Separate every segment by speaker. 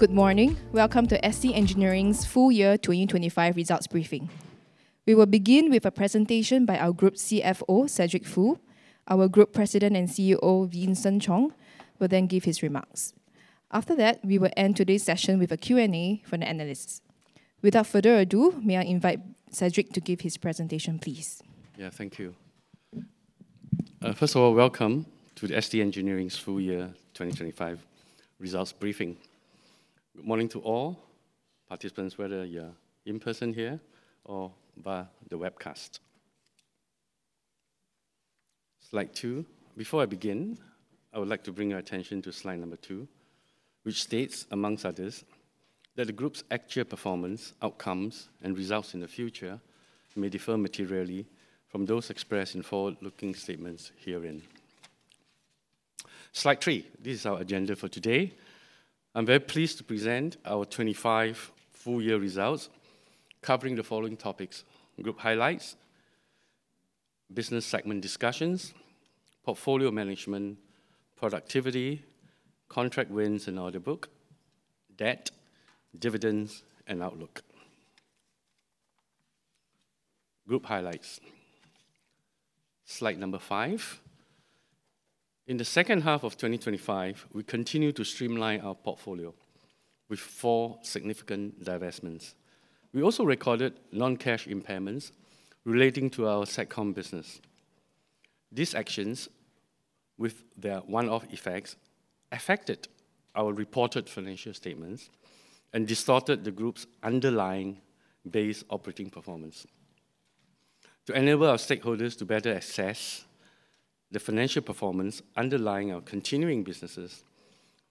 Speaker 1: Good morning. Welcome to ST Engineering's full year 2025 results briefing. We will begin with a presentation by our Group CFO, Cedric Foo. Our Group President and CEO, Vincent Chong, will then give his remarks. After that, we will end today's session with a Q&A for the analysts. Without further ado, may I invite Cedric to give his presentation, please?
Speaker 2: Yeah, thank you. First of all, welcome to the ST Engineering's full year 2025 results briefing. Good morning to all participants, whether you're in person here or via the webcast. Slide two. Before I begin, I would like to bring your attention to slide number two, which states, amongst others, that the group's actual performance, outcomes, and results in the future may differ materially from those expressed in forward-looking statements herein. Slide three. This is our agenda for today. I'm very pleased to present our 2025 full-year results, covering the following topics: group highlights, business segment discussions, portfolio management, productivity, contract wins and order book, debt, dividends, and outlook. Group highlights. Slide number five. In the second half of 2025, we continued to streamline our portfolio with four significant divestments. We also recorded non-cash impairments relating to our Satcom business. These actions, with their one-off effects, affected our reported financial statements and distorted the group's underlying Base Operating Performance. To enable our stakeholders to better assess the financial performance underlying our continuing businesses,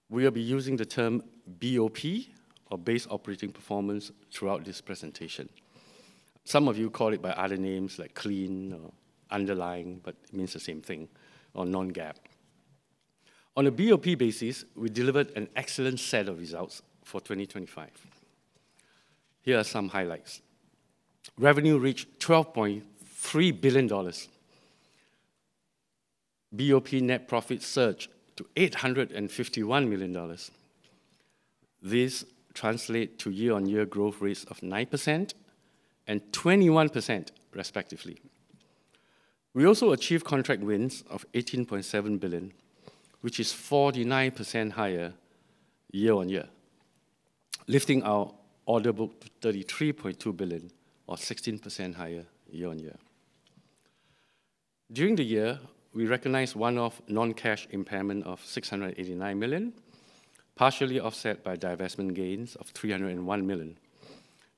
Speaker 2: we will be using the term BOP, or Base Operating Performance, throughout this presentation. Some of you call it by other names, like clean or underlying, but it means the same thing, or non-GAAP. On a BOP basis, we delivered an excellent set of results for 2025. Here are some highlights. Revenue reached SGD 12.3 billion. BOP net profit surged to SGD 851 million. This translate to year-on-year growth rates of 9% and 21%, respectively. We also achieved contract wins of 18.7 billion, which is 49% higher year-on-year, lifting our order book to 33.2 billion, or 16% higher year-on-year. During the year, we recognized one-off non-cash impairment of 689 million, partially offset by divestment gains of 301 million.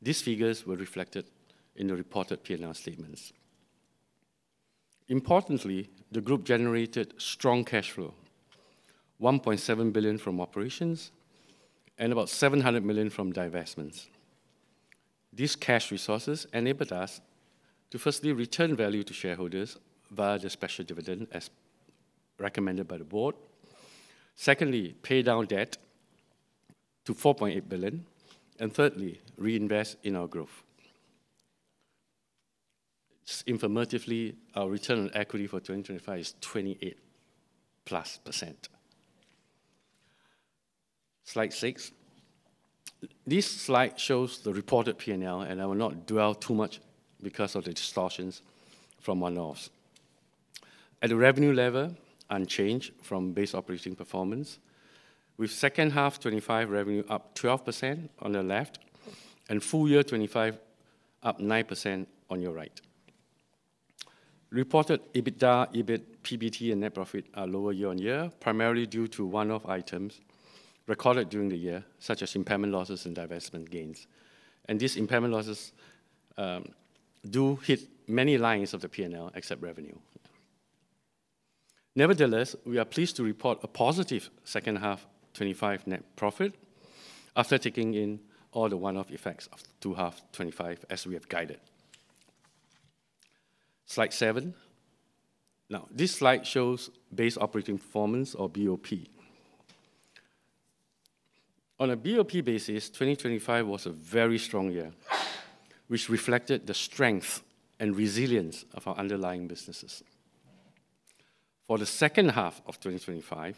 Speaker 2: These figures were reflected in the reported P&L statements. Importantly, the group generated strong cash flow: 1.7 billion from operations and about 700 million from divestments. These cash resources enabled us to firstly return value to shareholders via the special dividend as recommended by the board; secondly, pay down debt to 4.8 billion; and thirdly, reinvest in our growth. Just informatively, our return on equity for 2025 is 28+%. Slide 6. This slide shows the reported P&L, and I will not dwell too much because of the distortions from one-offs. At the revenue level, unchanged from base operating performance, with second half 2025 revenue up 12% on the left and full year 2025 up 9% on your right. Reported EBITDA, EBIT, PBT, and net profit are lower year-over-year, primarily due to one-off items recorded during the year, such as impairment losses and divestment gains. These impairment losses do hit many lines of the P&L, except revenue. Nevertheless, we are pleased to report a positive second half 2025 net profit after taking in all the one-off effects of two half 2025, as we have guided. Slide 7. This slide shows base operating performance, or BOP. On a BOP basis, 2025 was a very strong year, which reflected the strength and resilience of our underlying businesses. For the second half of 2025,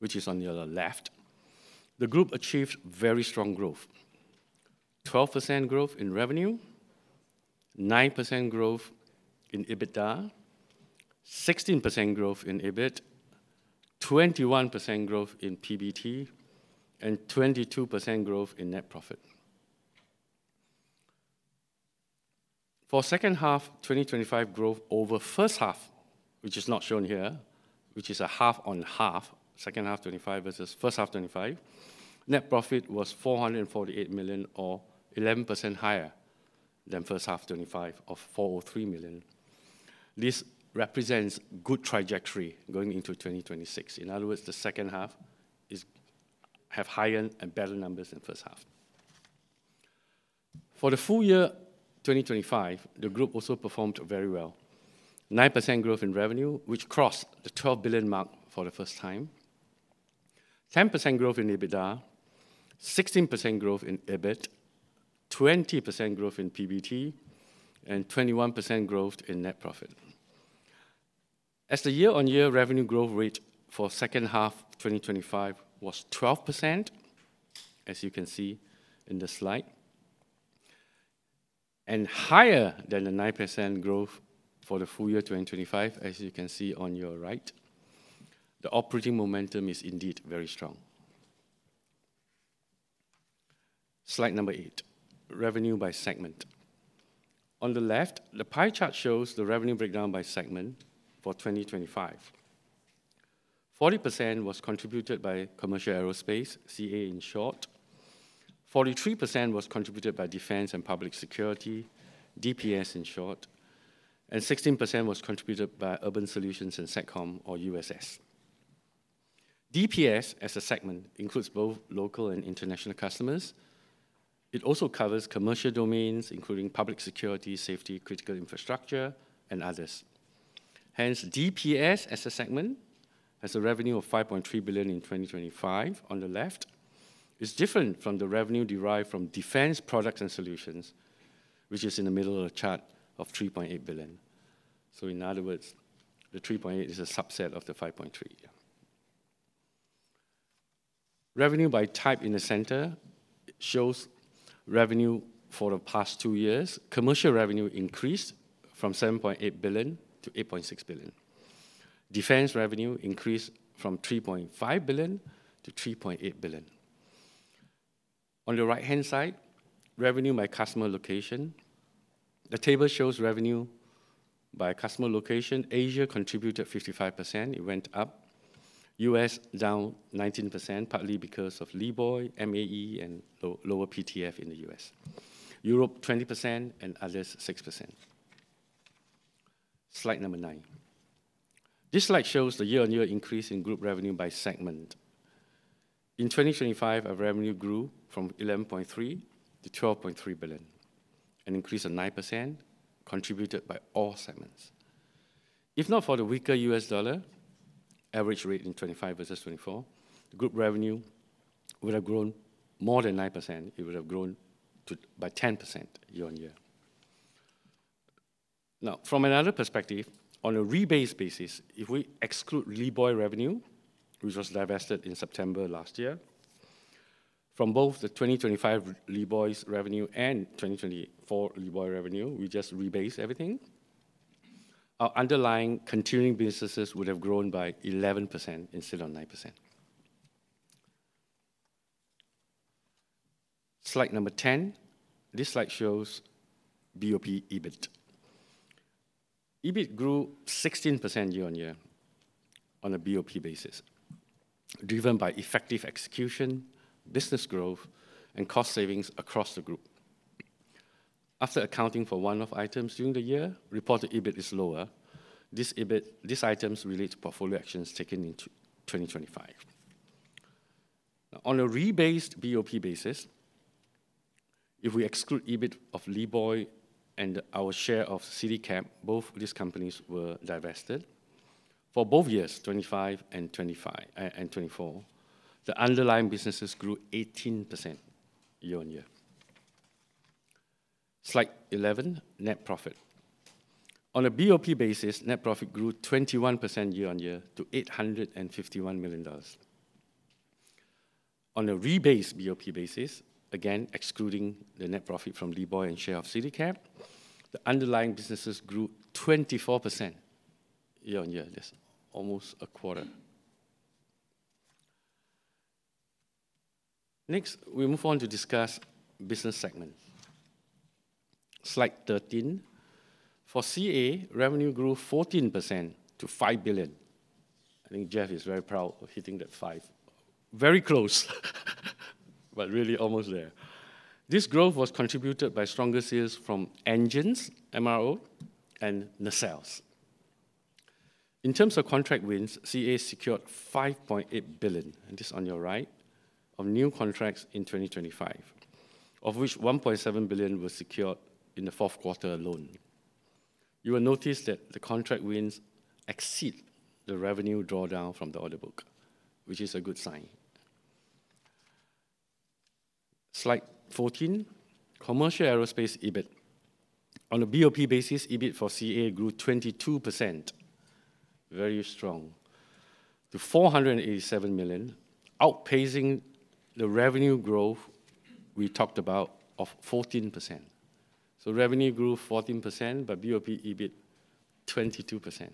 Speaker 2: which is on your left, the group achieved very strong growth: 12% growth in revenue, 9% growth in EBITDA, 16% growth in EBIT, 21% growth in PBT, and 22% growth in net profit. For second half 2025 growth over first half, which is not shown here, which is a half on half, second half 2025 versus first half 2025, net profit was 448 million or 11% higher than first half 2025 of 43 million. This represents good trajectory going into 2026. In other words, the second half is have higher and better numbers than first half. For the full year 2025, the group also performed very well. 9% growth in revenue, which crossed the 12 billion mark for the first time, 10% growth in EBITDA, 16% growth in EBIT, 20% growth in PBT, and 21% growth in net profit. As the year-on-year revenue growth rate for second half 2025 was 12%, as you can see in the slide, and higher than the 9% growth for the full year 2025, as you can see on your right, the operating momentum is indeed very strong. Slide No. 8, revenue by segment. On the left, the pie chart shows the revenue breakdown by segment for 2025. 40% was contributed by Commercial Aerospace, CA in short, 43% was contributed by Defence & Public Security, DPS in short, and 16% was contributed by Urban Solutions & Satcom, or USS. DPS, as a segment, includes both local and international customers. It also covers commercial domains, including public security, safety, critical infrastructure, and others. DPS as a segment, has a revenue of 5.3 billion in 2025, on the left. It's different from the revenue derived from defense products and solutions, which is in the middle of the chart of 3.8 billion. In other words, the 3.8 is a subset of the 5.3. Revenue by type in the center shows revenue for the past 2 years. Commercial revenue increased from 7.8 billion to 8.6 billion. Defense revenue increased from 3.5 billion to 3.8 billion. The right-hand side, revenue by customer location. The table shows revenue by customer location. Asia contributed 55%, it went up. U.S., down 19%, partly because of LeeBoy, MAE, and lower PTF in the U.S. Europe, 20%, and others, 6%. Slide number nine. This slide shows the year-over-year increase in group revenue by segment. In 2025, our revenue grew from 11.3 billion to 12.3 billion, an increase of 9%, contributed by all segments. If not for the weaker US dollar, average rate in 2025 versus 2024, the group revenue would have grown more than 9%. It would have grown by 10% year-over-year. From another perspective, on a rebased basis, if we exclude LeeBoy revenue, which was divested in September last year, from both the 2025 LeeBoy's revenue and 2024 LeeBoy revenue, we just rebase everything, our underlying continuing businesses would have grown by 11% instead of 9%. Slide number 10. This slide shows BOP EBIT. EBIT grew 16% year-on-year on a BOP basis, driven by effective execution, business growth, and cost savings across the group. After accounting for one-off items during the year, reported EBIT is lower. These items relate to portfolio actions taken into 2025. On a rebased BOP basis, if we exclude EBIT of LeeBoy and our share of CityCab, both these companies were divested. For both years, 2025 and 2024, the underlying businesses grew 18% year-on-year. Slide 11, net profit. On a BOP basis, net profit grew 21% year-on-year to 851 million dollars. On a rebased BOP basis, again, excluding the net profit from LeeBoy and share of CityCab, the underlying businesses grew 24% year-on-year. That's almost a quarter. We move on to discuss business segments. Slide 13. For CA, revenue grew 14% to 5 billion. I think Jeff is very proud of hitting that five. Very close, but really almost there. This growth was contributed by stronger sales from engines, MRO, and nacelles. In terms of contract wins, CA secured 5.8 billion, and this on your right, of new contracts in 2025, of which 1.7 billion was secured in the fourth quarter alone. You will notice that the contract wins exceed the revenue drawdown from the order book, which is a good sign. Slide 14, Commercial Aerospace EBIT. On a BOP basis, EBIT for CA grew 22%, very strong, to 487 million, outpacing the revenue growth we talked about of 14%. Revenue grew 14%, but BOP EBIT, 22%.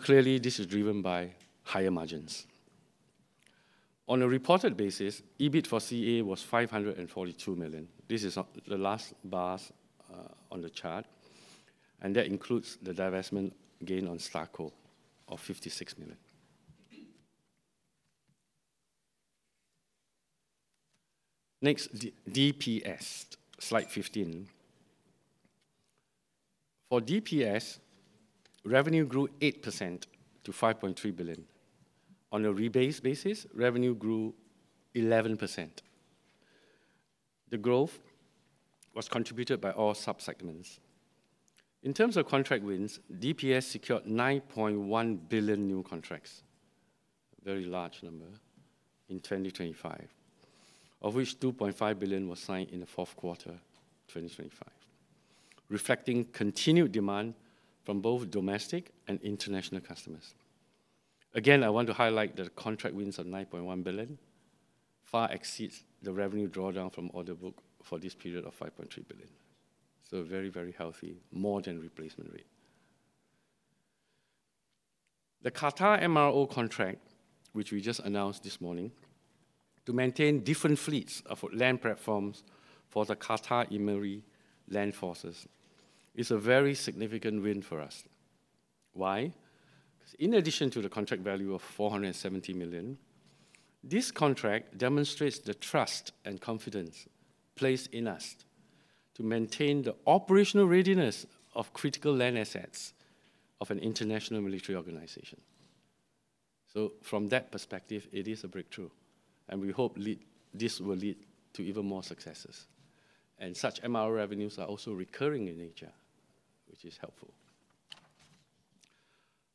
Speaker 2: Clearly, this is driven by higher margins. On a reported basis, EBIT for CA was 542 million. This is up the last bar on the chart. That includes the divestment gain on STARCO of SGD 56 million. Next, DPS, slide 15. For DPS, revenue grew 8% to 5.3 billion. On a rebased basis, revenue grew 11%. The growth was contributed by all sub-segments. In terms of contract wins, DPS secured 9.1 billion new contracts, a very large number in 2025, of which 2.5 billion was signed in the fourth quarter, 2025, reflecting continued demand from both domestic and international customers. I want to highlight the contract wins of 9.1 billion far exceeds the revenue drawdown from order book for this period of 5.3 billion. Very healthy, more than replacement rate. The Qatari Emiri Land Forces MRO contract, which we just announced this morning, to maintain different fleets of land platforms for the Qatari Emiri Land Forces, is a very significant win for us. Why? In addition to the contract value of 470 million, this contract demonstrates the trust and confidence placed in us to maintain the operational readiness of critical land assets of an international military organization. From that perspective, it is a breakthrough, and this will lead to even more successes. Such MRO revenues are also recurring in nature, which is helpful.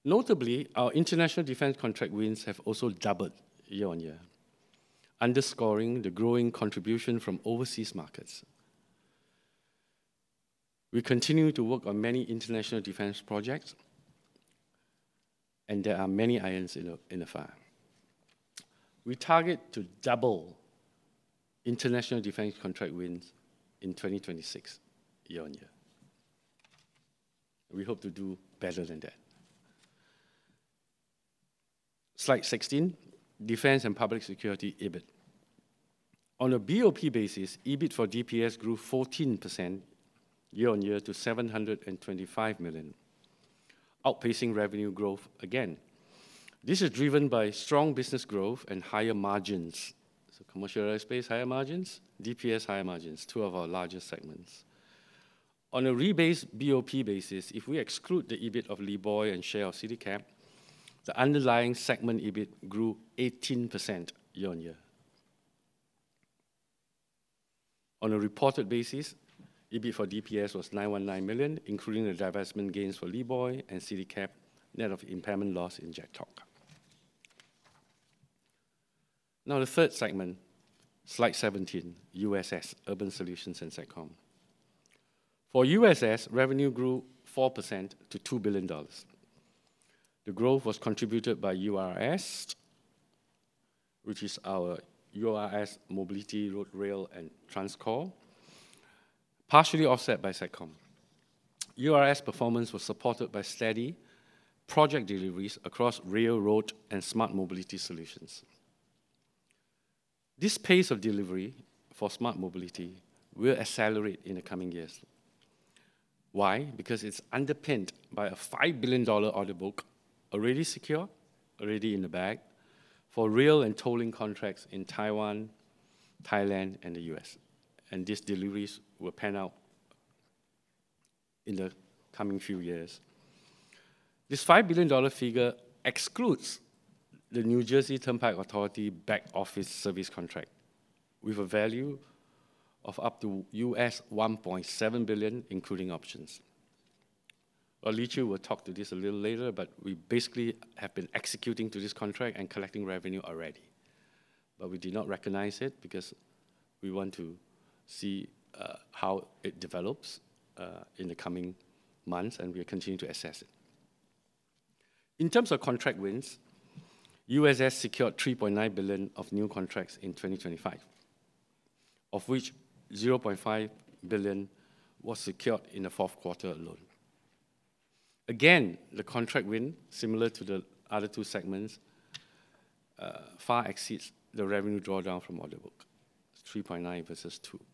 Speaker 2: Notably, our international defense contract wins have also doubled year-on-year, underscoring the growing contribution from overseas markets. We continue to work on many international defense projects, and there are many irons in the fire. We target to double international defense contract wins in 2026, year-on-year. We hope to do better than that. Slide 16, Defence & Public Security, EBIT. On a BOP basis, EBIT for DPS grew 14% year-on-year to 725 million, outpacing revenue growth again. This is driven by strong business growth and higher margins. Commercial Aerospace, higher margins, DPS, higher margins, two of our largest segments. On a rebased BOP basis, if we exclude the EBIT of LeeBoy and share of CityCab, the underlying segment EBIT grew 18% year-on-year. On a reported basis, EBIT for DPS was 919 million, including the divestment gains for LeeBoy and CityCab, net of impairment loss in Jagtok. The third segment, slide 17, USS, Urban Solutions & Satcom. For USS, revenue grew 4% to 2 billion dollars. The growth was contributed by Urban Solutions, which is our Urban Solutions Mobility, Road, Rail, and TransCore, partially offset by Satcom. URS performance was supported by steady project deliveries across rail, road, and smart mobility solutions. This pace of delivery for smart mobility will accelerate in the coming years. Why? Because it's underpinned by a 5 billion dollar order book, already secure, already in the bag, for rail and tolling contracts in Taiwan, Thailand, and the U.S., and these deliveries will pan out in the coming few years. This 5 billion dollar figure excludes the New Jersey Turnpike Authority back-office service contract, with a value of up to US $1.7 billion, including options. Lee Chew will talk to this a little later, but we basically have been executing to this contract and collecting revenue already. We do not recognize it because we want to see how it develops in the coming months, and we are continuing to assess it. In terms of contract wins, USS secured 3.9 billion of new contracts in 2025, of which 0.5 billion was secured in the fourth quarter alone. The contract win, similar to the other two segments, far exceeds the revenue drawdown from order book, it's 3.9 billion versus 2 billion.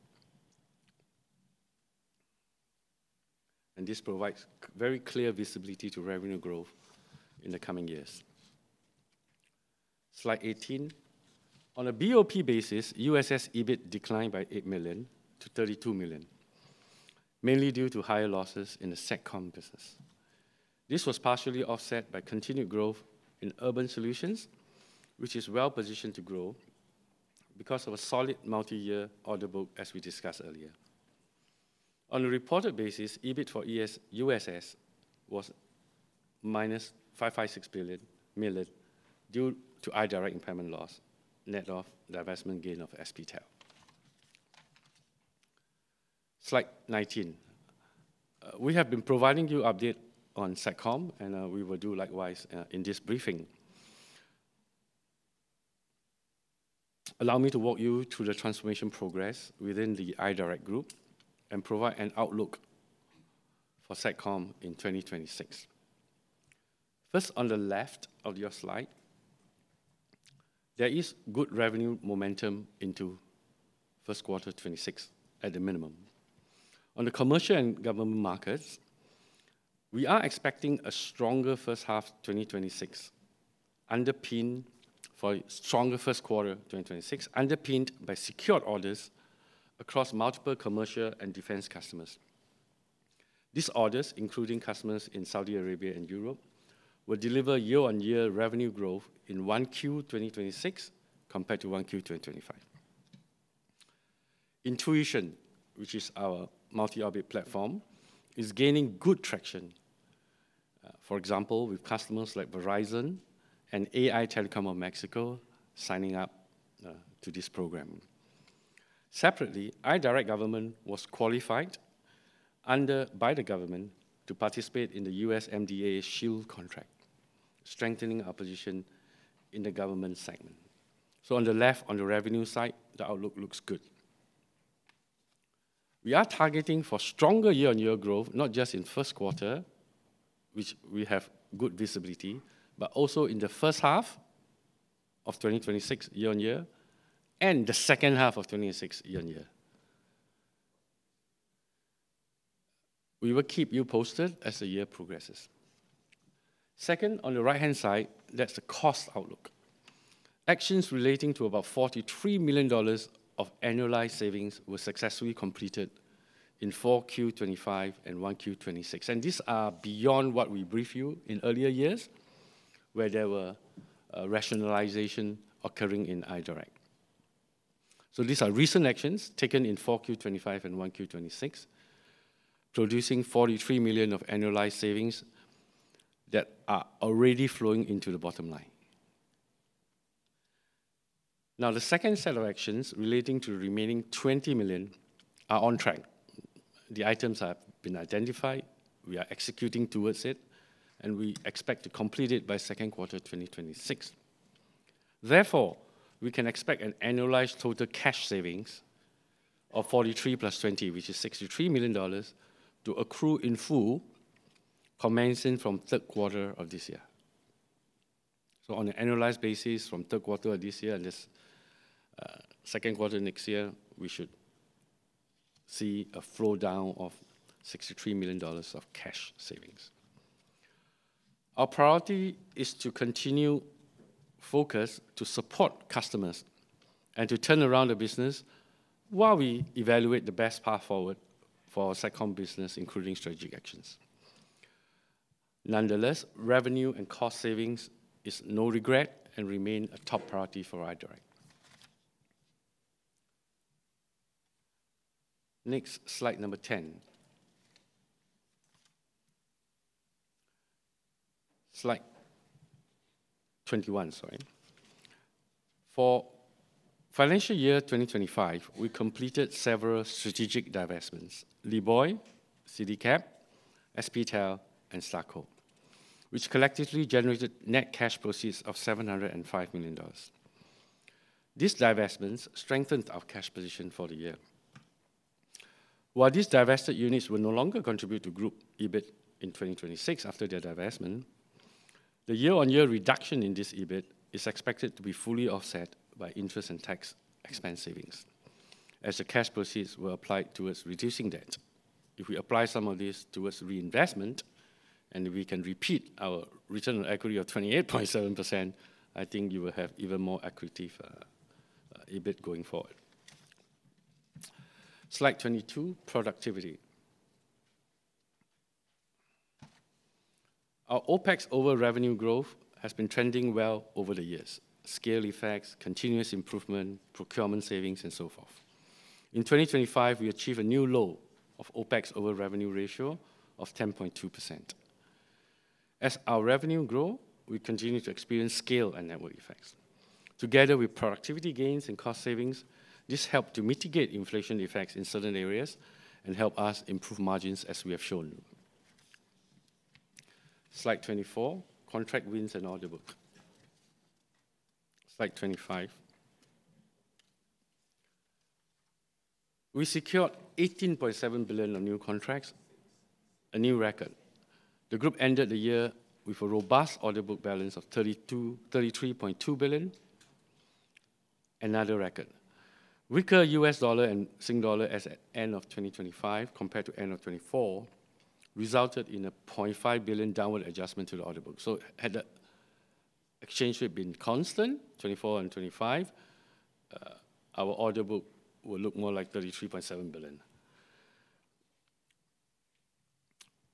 Speaker 2: This provides very clear visibility to revenue growth in the coming years. Slide 18. On a BOP basis, USS EBIT declined by 8 million to 32 million, mainly due to higher losses in the Secome business. This was partially offset by continued growth in Urban Solutions, which is well-positioned to grow because of a solid multi-year order book, as we discussed earlier. On a reported basis, EBIT for USS was minus 556 million, due to iDirect impairment loss, net of divestment gain of SPTel. Slide 19. We have been providing you update on Satcom, and we will do likewise in this briefing. Allow me to walk you through the transformation progress within the iDirect group and provide an outlook for Satcom in 2026. First, on the left of your slide, there is good revenue momentum into first quarter 2026, at the minimum. On the commercial and government markets, we are expecting a stronger first half 2026, underpinned by secured orders across multiple commercial and defense customers. These orders, including customers in Saudi Arabia and Europe, will deliver year-on-year revenue growth in 1Q 2026 compared to 1Q 2025. Intuition, which is our multi-orbit platform, is gaining good traction, for example, with customers like Verizon and AITELECOM of Mexico signing up to this program. Separately, iDirect Government was qualified by the government to participate in the U.S. MDA Shield contract, strengthening our position in the government segment. On the left, on the revenue side, the outlook looks good. We are targeting for stronger year-on-year growth, not just in first quarter, which we have good visibility, but also in the first half of 2026 year-on-year, and the second half of 2026 year-on-year. We will keep you posted as the year progresses. Second, on the right-hand side, that's the cost outlook. Actions relating to about 43 million dollars of annualized savings were successfully completed in 4Q-2025 and 1Q-2026, these are beyond what we briefed you in earlier years, where there were rationalization occurring in iDirect. These are recent actions taken in 4Q 2025 and 1Q 2026, producing 43 million of annualized savings that are already flowing into the bottom line. The second set of actions relating to the remaining 20 million are on track. The items have been identified, we are executing towards it, and we expect to complete it by 2Q 2026. We can expect an annualized total cash savings of 43 + 20, which is 63 million dollars, to accrue in full, commencing from 3Q of this year. On an annualized basis, from 3Q of this year and this, 2Q next year, we should see a flow down of 63 million dollars of cash savings. Our priority is to continue focus to support customers and to turn around the business while we evaluate the best path forward for our second business, including strategic actions. Nonetheless, revenue and cost savings is no regret and remain a top priority for iDirect. Slide number 10. Slide 21, sorry. For financial year 2025, we completed several strategic divestments: LeeBoy, CityCab, SPTel, and STARCO, which collectively generated net cash proceeds of $705 million. These divestments strengthened our cash position for the year. While these divested units will no longer contribute to group EBIT in 2026 after their divestment, the year-on-year reduction in this EBIT is expected to be fully offset by interest and tax expense savings, as the cash proceeds were applied towards reducing debt. If we apply some of this towards reinvestment, and we can repeat our return on equity of 28.7%, I think you will have even more equity, EBIT going forward. Slide 22, productivity. Our OpEx over revenue growth has been trending well over the years: scale effects, continuous improvement, procurement savings, and so forth. In 2025, we achieved a new low of OpEx over revenue ratio of 10.2%. As our revenue grow, we continue to experience scale and network effects. Together with productivity gains and cost savings, this help to mitigate inflation effects in certain areas and help us improve margins as we have shown you. Slide 24, contract wins and order book. Slide 25. We secured 18.7 billion of new contracts, a new record. The group ended the year with a robust order book balance of 33.2 billion, another record. Weaker US dollar and Sing dollar as at end of 2025 compared to end of 2024, resulted in a 0.5 billion downward adjustment to the order book. Had the exchange rate been constant, 2024 and 2025, our order book would look more like 33.7 billion.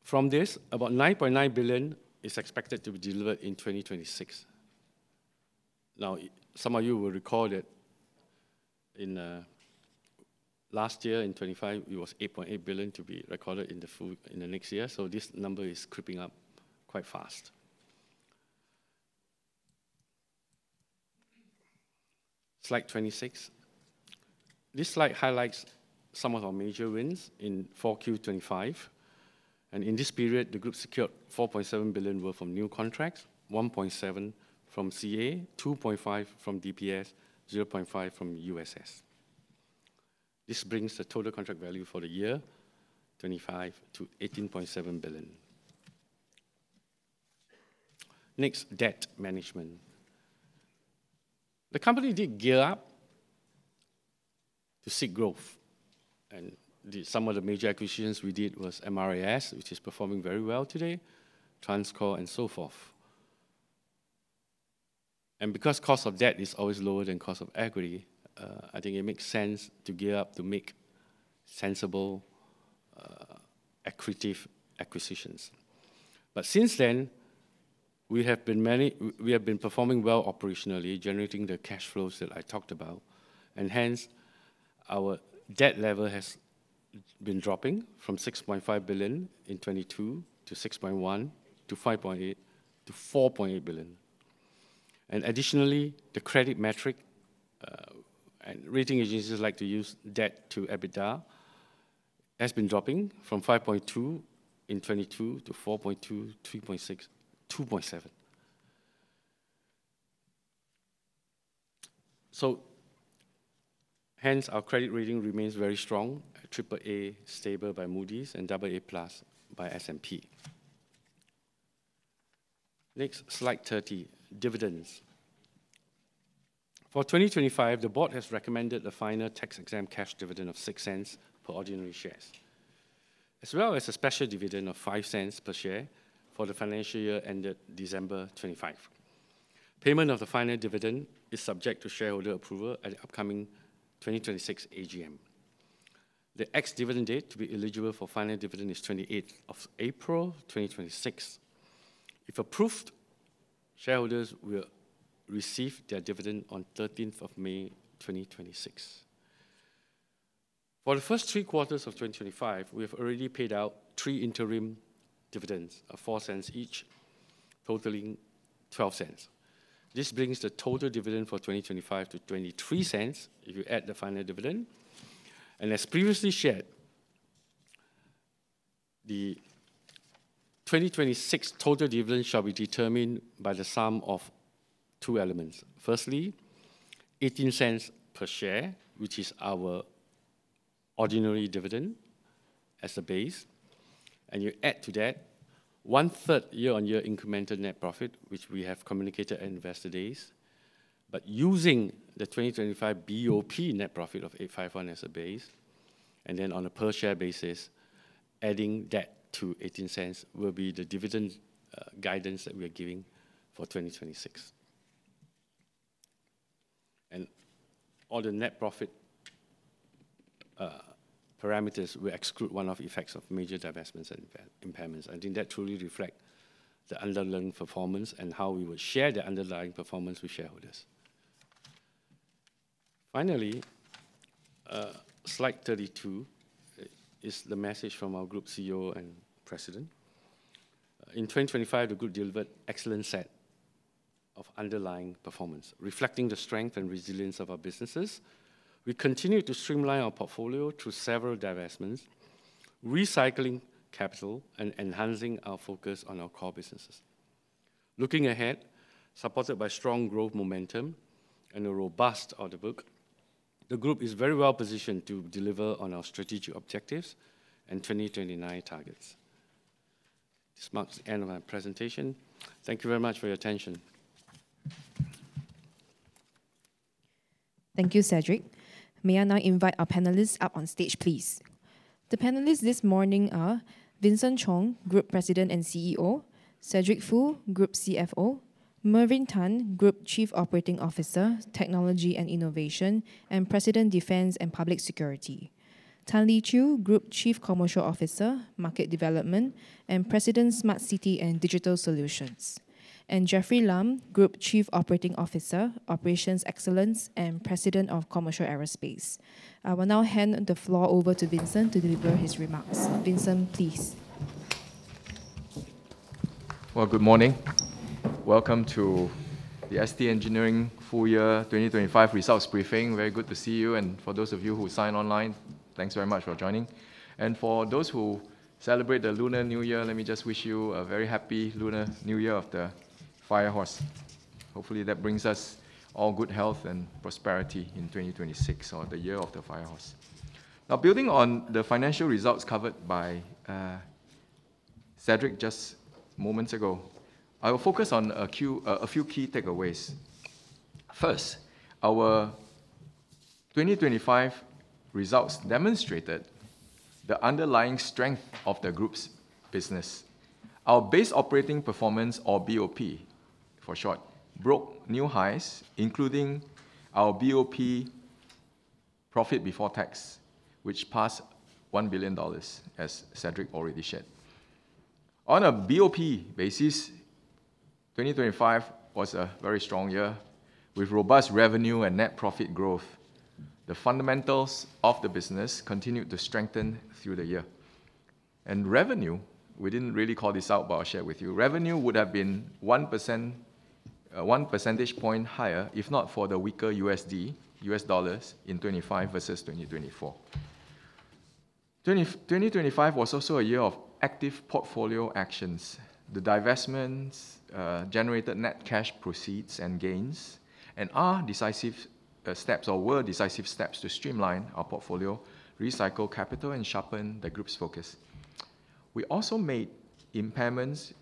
Speaker 2: From this, about 9.9 billion is expected to be delivered in 2026. Some of you will recall that in last year, in 2025, it was 8.8 billion to be recorded in the next year, this number is creeping up quite fast. Slide 26. This slide highlights some of our major wins in 4Q 2025. In this period, the group secured 4.7 billion worth of new contracts: 1.7 billion from CA, 2.5 billion from DPS, 0.5 billion from USS. This brings the total contract value for the year 2025 to SGD 18.7 billion. Next, debt management. The company did gear up to seek growth. Some of the major acquisitions we did was MRAS, which is performing very well today, TransCore, and so forth. Because cost of debt is always lower than cost of equity, I think it makes sense to gear up to make accretive acquisitions. Since then, we have been performing well operationally, generating the cash flows that I talked about. Our debt level has been dropping from 6.5 billion in 2022, to 6.1 billion, to 5.8 billion, to 4.8 billion. Additionally, the credit metric, and rating agencies like to use debt to EBITDA, has been dropping from 5.2 billion in 2022, to 4.2 billion, 3.6 billion, 2.7 billion. Our credit rating remains very strong, Triple A stable by Moody's and Double A plus by S&P. Next, slide 30, dividends. For 2025, the board has recommended the final tax-exempt cash dividend of 0.06 per ordinary shares, as well as a special dividend of 0.05 per share for the financial year ended December 2025. Payment of the final dividend is subject to shareholder approval at the upcoming 2026 AGM. The ex-dividend date to be eligible for final dividend is 28th of April, 2026. If approved, shareholders will receive their dividend on 13th of May, 2026. For the first three quarters of 2025, we have already paid out three interim dividends of 0.04 each, totaling 0.12. This brings the total dividend for 2025 to 0.23 if you add the final dividend. As previously shared, the 2026 total dividend shall be determined by the sum of two elements. Firstly, 0.18 per share, which is our ordinary dividend as a base, and you add to that one-third year-on-year incremental net profit, which we have communicated at Investor Days. Using the 2025 BOP net profit of 851 as a base, and then on a per-share basis, adding that to 0.18 will be the dividend guidance that we are giving for 2026. All the net profit parameters will exclude one-off effects of major divestments and impairments. I think that truly reflect the underlying performance and how we will share the underlying performance with shareholders. Finally, slide 32 is the message from our Group CEO and President. In 2025, the group delivered excellent set of underlying performance, reflecting the strength and resilience of our businesses. We continue to streamline our portfolio through several divestments, recycling capital, and enhancing our focus on our core businesses. Looking ahead, supported by strong growth momentum and a robust order book, the group is very well positioned to deliver on our strategic objectives and 2029 targets. This marks the end of my presentation. Thank you very much for your attention.
Speaker 1: Thank you, Cedric. May I now invite our panelists up on stage, please? The panelists this morning are Vincent Chong, Group President and CEO; Cedric Foo, Group CFO; Mervyn Tan, Group Chief Operating Officer, Technology and Innovation, and President, Defence & Public Security; Tan Lye Chew, Group Chief Commercial Officer, Market Development, and President, Smart City and Digital Solutions; and Jeffrey Lam, Group Chief Operating Officer, Operations Excellence, and President of Commercial Aerospace. I will now hand the floor over to Vincent to deliver his remarks. Vincent, please.
Speaker 3: Well, good morning. Welcome to the ST Engineering full year 2025 results briefing. Very good to see you, and for those of you who signed online, thanks very much for joining. For those who celebrate the Lunar New Year, let me just wish you a very happy Lunar New Year of the Fire Horse. Hopefully, that brings us all good health and prosperity in 2026, or the Year of the Fire Horse. Now, building on the financial results covered by Cedric just moments ago, I will focus on a few key takeaways. First, our 2025 results demonstrated the underlying strength of the group's business. Our base operating performance, or BOP for short, broke new highs, including our BOP profit before tax, which passed 1 billion dollars, as Cedric already shared. On a BOP basis, 2025 was a very strong year, with robust revenue and net profit growth. The fundamentals of the business continued to strengthen through the year. Revenue, we didn't really call this out, but I'll share with you, revenue would have been 1%, one percentage point higher, if not for the weaker USD, US dollars, in 2025 versus 2024. 2025 was also a year of active portfolio actions. The divestments generated net cash proceeds and gains, and were decisive steps to streamline our portfolio, recycle capital, and sharpen the group's focus. We also made impairments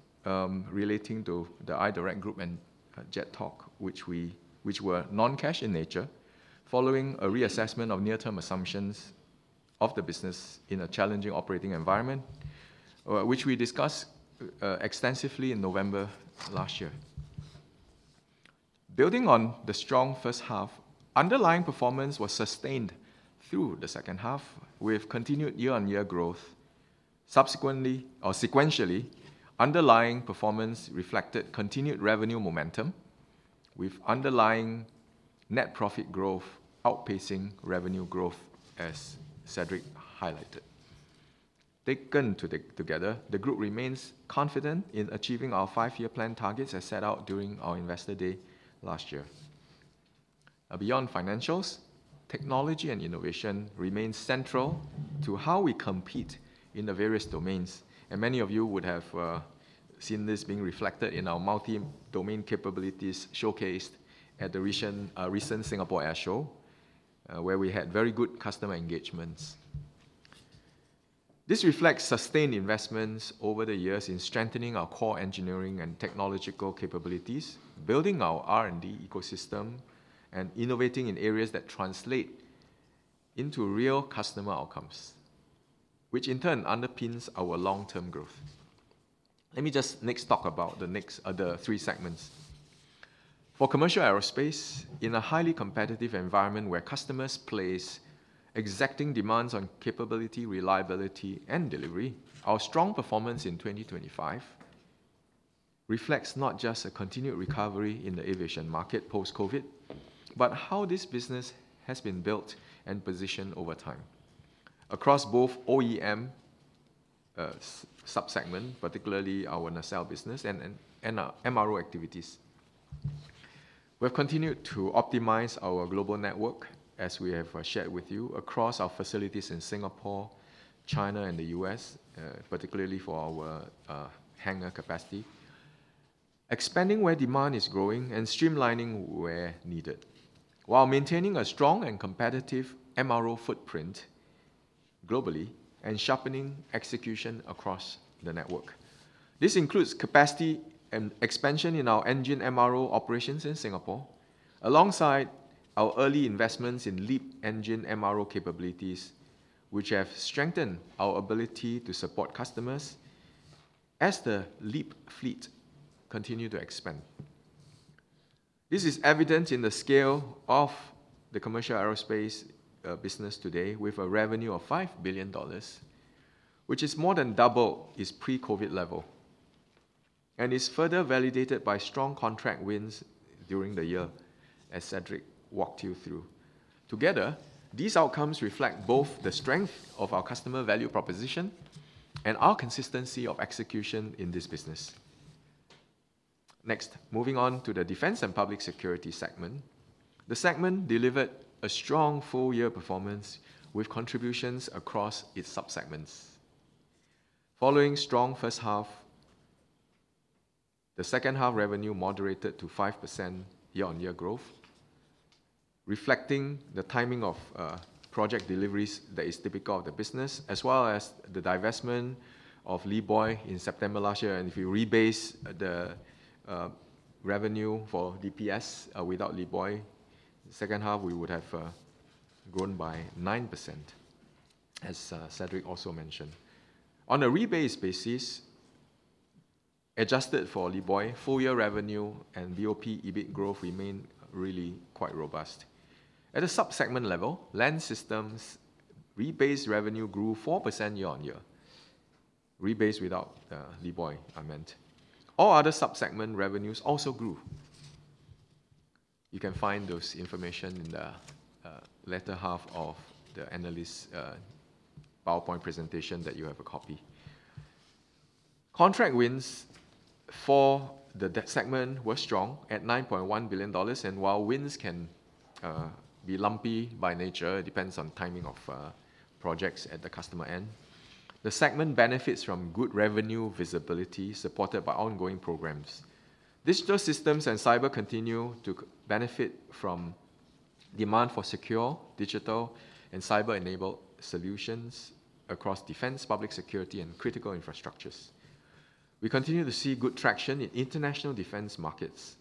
Speaker 3: relating to the iDirect Group and Jet-Talk, which were non-cash in nature, following a reassessment of near-term assumptions of the business in a challenging operating environment, which we discussed extensively in November last year. Building on the strong first half, underlying performance was sustained through the second half, with continued year-on-year growth. Subsequently, or sequentially, underlying performance reflected continued revenue momentum, with underlying net profit growth outpacing revenue growth, as Cedric highlighted. Taken together, the group remains confident in achieving our five-year plan targets as set out during our Investor Day last year. Beyond financials, technology and innovation remains central to how we compete in the various domains, and many of you would have seen this being reflected in our multi-domain capabilities showcased at the recent Singapore Airshow, where we had very good customer engagements. This reflects sustained investments over the years in strengthening our core engineering and technological capabilities, building our R&D ecosystem, and innovating in areas that translate into real customer outcomes, which in turn underpins our long-term growth. Let me just next talk about the next, the three segments. For Commercial Aerospace, in a highly competitive environment where customers place exacting demands on capability, reliability, and delivery, our strong performance in 2025 reflects not just a continued recovery in the aviation market post-COVID, but how this business has been built and positioned over time. Across both OEM, sub-segment, particularly our Nacelle business and MRO activities. We have continued to optimize our global network, as we have shared with you, across our facilities in Singapore, China, and the U.S., particularly for our hangar capacity, expanding where demand is growing and streamlining where needed, while maintaining a strong and competitive MRO footprint globally and sharpening execution across the network. This includes capacity and expansion in our engine MRO operations in Singapore, alongside our early investments in LEAP engine MRO capabilities, which have strengthened our ability to support customers as the LEAP fleet continue to expand. This is evident in the scale of the Commercial Aerospace business today, with a revenue of 5 billion dollars, which is more than double its pre-COVID level, and is further validated by strong contract wins during the year, as Cedric walked you through. Together, these outcomes reflect both the strength of our customer value proposition and our consistency of execution in this business. Moving on to the Defence & Public Security segment. The segment delivered a strong full-year performance with contributions across its sub-segments. Following strong first half, the second half revenue moderated to 5% year-on-year growth, reflecting the timing of project deliveries that is typical of the business, as well as the divestment of LeeBoy in September last year. If you rebase the revenue for DPS, without LeeBoy, second half, we would have grown by 9%, as Cedric also mentioned. On a rebased basis, adjusted for LeeBoy, full-year revenue and BOP EBIT growth remain really quite robust. At a sub-segment level, Land Systems rebased revenue grew 4% year-on-year. Rebased without LeeBoy, I meant. All other sub-segment revenues also grew. You can find those information in the latter half of the analyst PowerPoint presentation that you have a copy. Contract wins for the de-segment were strong at 9.1 billion dollars. While wins can be lumpy by nature, it depends on timing of projects at the customer end, the segment benefits from good revenue visibility, supported by ongoing programs. Digital systems and cyber continue to benefit from demand for secure, digital, and cyber-enabled solutions across Defence, Public Security, and critical infrastructures. We continue to see good traction in international Defence markets.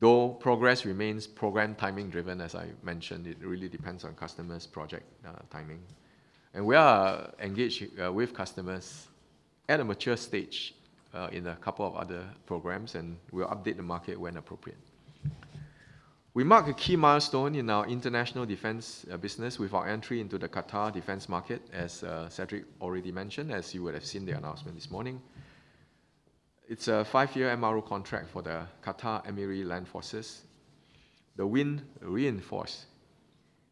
Speaker 3: Though progress remains program timing driven, as I mentioned, it really depends on customers' project timing. We are engaged with customers at a mature stage in a couple of other programs, and we'll update the market when appropriate. We marked a key milestone in our international defense business with our entry into the Qatar defense market, as Cedric already mentioned, as you would have seen the announcement this morning. It's a five-year MRO contract for the Qatari Emiri Land Force. The win reinforce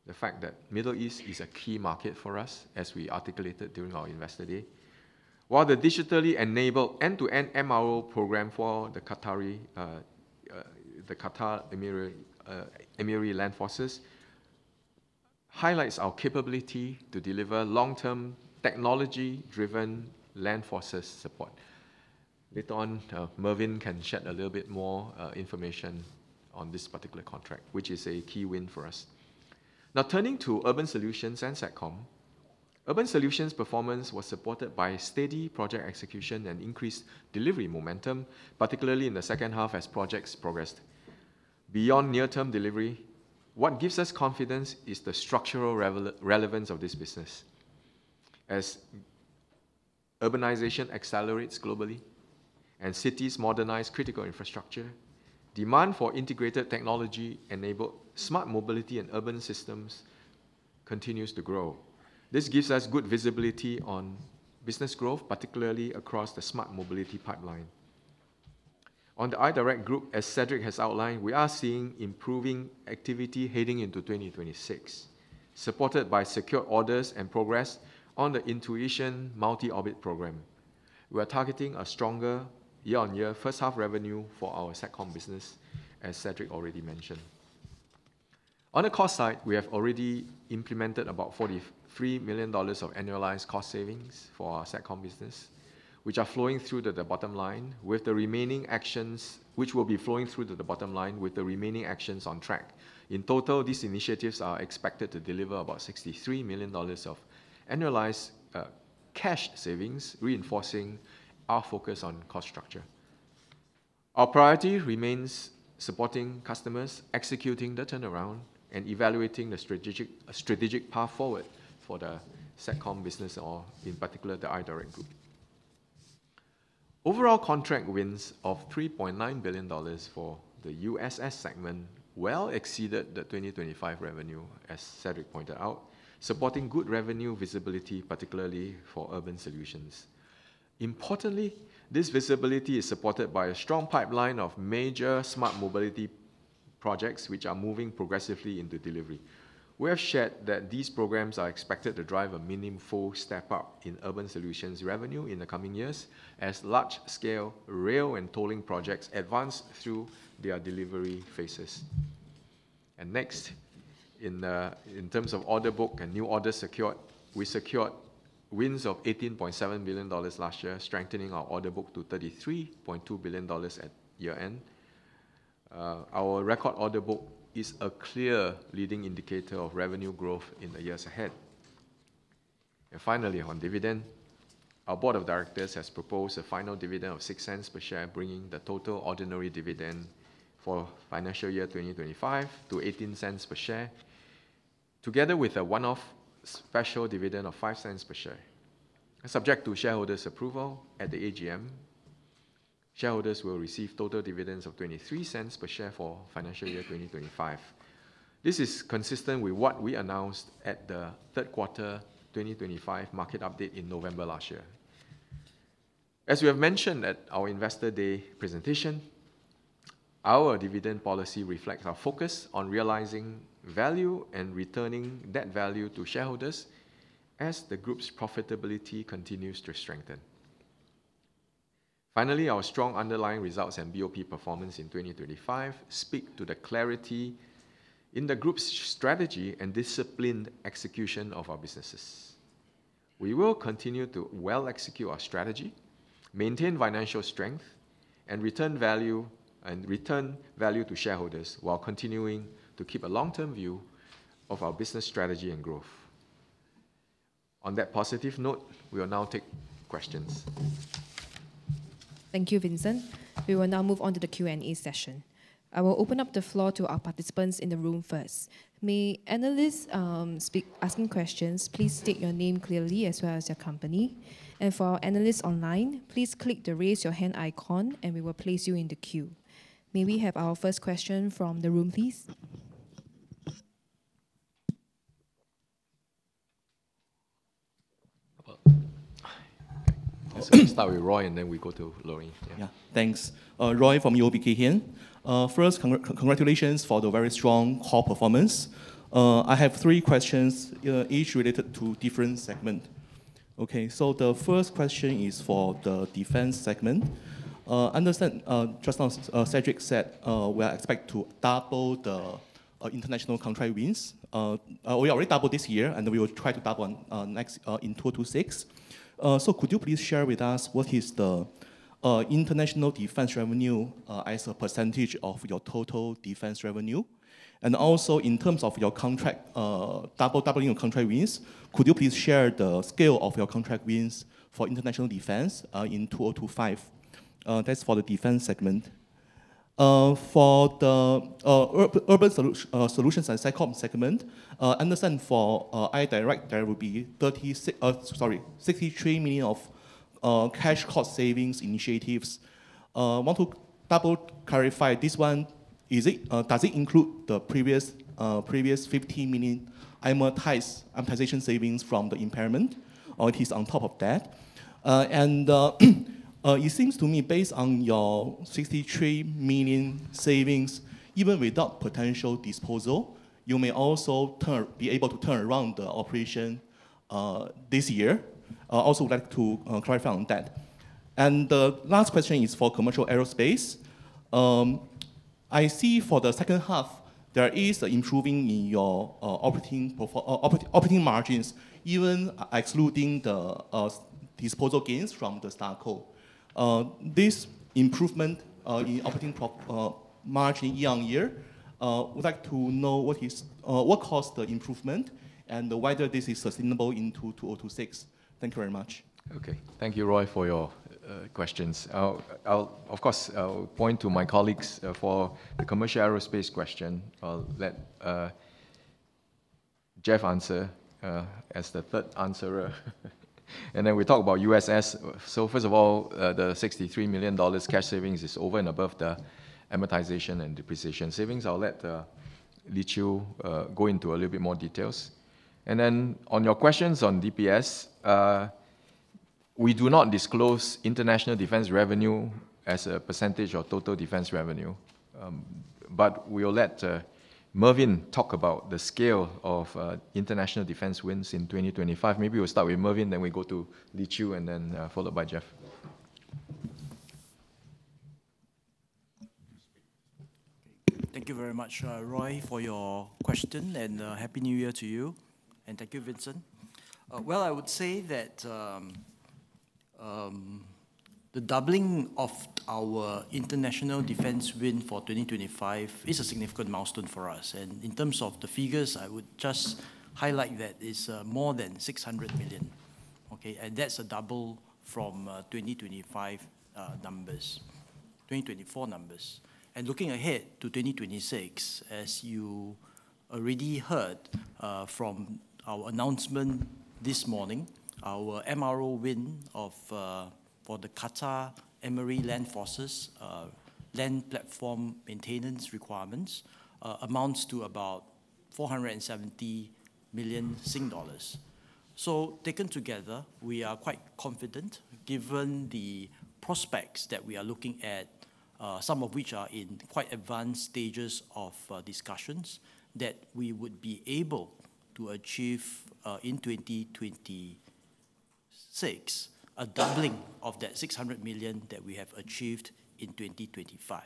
Speaker 3: the fact that Middle East is a key market for us, as we articulated during our Investor Day. The digitally enabled end-to-end MRO program for the Qatari Emiri Land Force highlights our capability to deliver long-term, technology-driven land forces support. Later on, Mervin can share a little bit more information on this particular contract, which is a key win for us. Turning to Urban Solutions & Satcom. Urban Solutions' performance was supported by steady project execution and increased delivery momentum, particularly in the second half as projects progressed. Beyond near-term delivery, what gives us confidence is the structural relevance of this business. As urbanization accelerates globally, and cities modernize critical infrastructure, demand for integrated technology-enabled smart mobility and urban systems continues to grow. This gives us good visibility on business growth, particularly across the smart mobility pipeline. On the iDirect group, as Cedric has outlined, we are seeing improving activity heading into 2026, supported by secure orders and progress on the Intuition multi-orbit program. We are targeting a stronger year-on-year first half revenue for our Satcom business, as Cedric already mentioned. On the cost side, we have already implemented about $43 million of annualized cost savings for our Satcom business, which will be flowing through to the bottom line with the remaining actions on track. In total, these initiatives are expected to deliver about $63 million SGD of annualized cash savings, reinforcing our focus on cost structure. Our priority remains supporting customers, executing the turnaround, and evaluating a strategic path forward for the Satcom business, or in particular, the iDirect group. Contract wins of $3.9 billion SGD for the USS segment well exceeded the 2025 revenue, as Cedric pointed out, supporting good revenue visibility, particularly for Urban Solutions. Importantly, this visibility is supported by a strong pipeline of major smart mobility projects, which are moving progressively into delivery. We have shared that these programs are expected to drive a meaningful step-up in Urban Solutions revenue in the coming years, as large-scale rail and tolling projects advance through their delivery phases. In terms of order book and new orders secured, we secured wins of SGD 18.7 billion last year, strengthening our order book to SGD 33.2 billion at year-end. Our record order book is a clear leading indicator of revenue growth in the years ahead. Finally, on dividend, our board of directors has proposed a final dividend of 0.06 per share, bringing the total ordinary dividend for financial year 2025 to 0.18 per share, together with a one-off special dividend of 0.05 per share. Subject to shareholders' approval at the AGM, shareholders will receive total dividends of 0.23 per share for financial year 2025. This is consistent with what we announced at the third quarter 2025 market update in November last year. As we have mentioned at our Investor Day presentation, our dividend policy reflects our focus on realizing value and returning that value to shareholders as the group's profitability continues to strengthen. Our strong underlying results and BOP performance in 2025 speak to the clarity in the group's strategy and disciplined execution of our businesses. We will continue to well execute our strategy, maintain financial strength, and return value to shareholders, while continuing to keep a long-term view of our business strategy and growth. On that positive note, we will now take questions.
Speaker 1: Thank you, Vincent. We will now move on to the Q&A session. I will open up the floor to our participants in the room first. May analysts speak, asking questions, please state your name clearly as well as your company. For our analysts online, please click the Raise Your Hand icon, and we will place you in the queue. May we have our first question from the room, please?
Speaker 3: Well, let's start with Roy, and then we go to Lorraine. Yeah.
Speaker 4: Yeah. Thanks. Roy from UOB Kay Hian. First, congratulations for the very strong core performance. I have three questions, each related to different segment. Okay, the first question is for the defense segment. I understand, just now, Cedric said, we are expect to double the international contract wins. We already doubled this year, and we will try to double on next in 2026. Could you please share with us what is the international defense revenue as a % of your total defense revenue? Also, in terms of your contract, doubling your contract wins, could you please share the scale of your contract wins for international defense in 2025? That's for the defense segment. For the Urban Solutions and Satcom segment, I understand for iDirect, there will be, sorry, 63 million of cash cost savings initiatives. I want to double clarify this one. Is it, does it include the previous 15 million amortized amortization savings from the impairment, or it is on top of that? It seems to me, based on your 63 million savings, even without potential disposal, you may also be able to turn around the operation this year. I also would like to clarify on that. The last question is for Commercial Aerospace. I see for the second half, there is improving in your operating margins, even excluding the disposal gains from the STARCO. This improvement, in operating pro, margin year on year, we'd like to know what caused the improvement and whether this is sustainable into 2026? Thank you very much.
Speaker 3: Thank you, Roy, for your questions. I'll point to my colleagues for the Commercial Aerospace question. I'll let Jeff answer as the third answerer. Then we talk about USS. First of all, the $63 million cash savings is over and above the amortization and depreciation savings. I'll let Koh Li-Qiu go into a little bit more details. Then on your questions on DPS, we do not disclose international defense revenue as a percentage of total defense revenue, but we will let Mervyn talk about the scale of international defense wins in 2025. Maybe we'll start with Mervyn, then we go to Koh Li-Qiu, and then followed by Jeff.
Speaker 5: Thank you very much, Roy, for your question, and happy New Year to you, and thank you, Vincent. I would say that the doubling of our international defense win for 2025 is a significant milestone for us. In terms of the figures, I would just highlight that it's more than 600 million, okay? That's a double from 2025 numbers, 2024 numbers. Looking ahead to 2026, as you already heard from our announcement this morning, our MRO win for the Qatari Emiri Land Forces' land platform maintenance requirements amounts to about 470 million Sing dollars. Taken together, we are quite confident, given the prospects that we are looking at, some of which are in quite advanced stages of discussions, that we would be able to achieve in 2026, a doubling of that 600 million that we have achieved in 2025.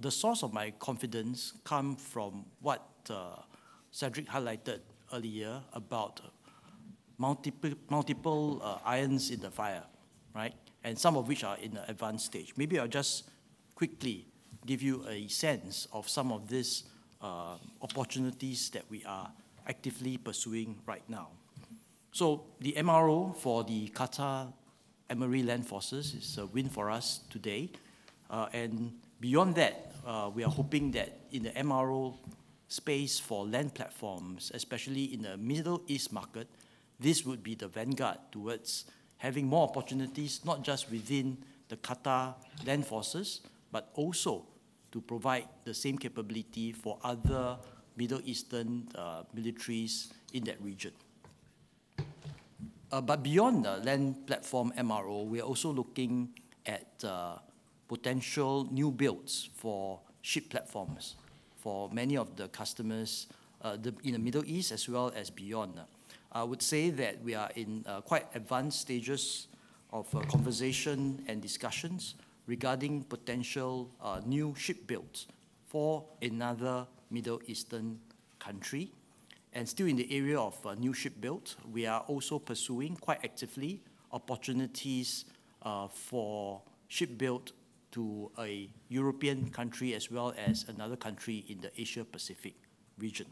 Speaker 5: The source of my confidence come from what Cedric highlighted earlier about multiple irons in the fire, right? Some of which are in the advanced stage. Maybe I'll just quickly give you a sense of some of these opportunities that we are actively pursuing right now. The MRO for the Qatar Emiri Land Forces is a win for us today. Beyond that, we are hoping that in the MRO space for land platforms, especially in the Middle East market, this would be the vanguard towards having more opportunities, not just within the Qatar Land Forces, but also to provide the same capability for other Middle Eastern militaries in that region. Beyond the land platform MRO, we are also looking at potential new builds for ship platforms for many of the customers in the Middle East as well as beyond. I would say that we are in quite advanced stages of conversation and discussions regarding potential new ship builds for another Middle Eastern country. Still in the area of new ship build, we are also pursuing, quite actively, opportunities for ship build to a European country as well as another country in the Asia-Pacific region,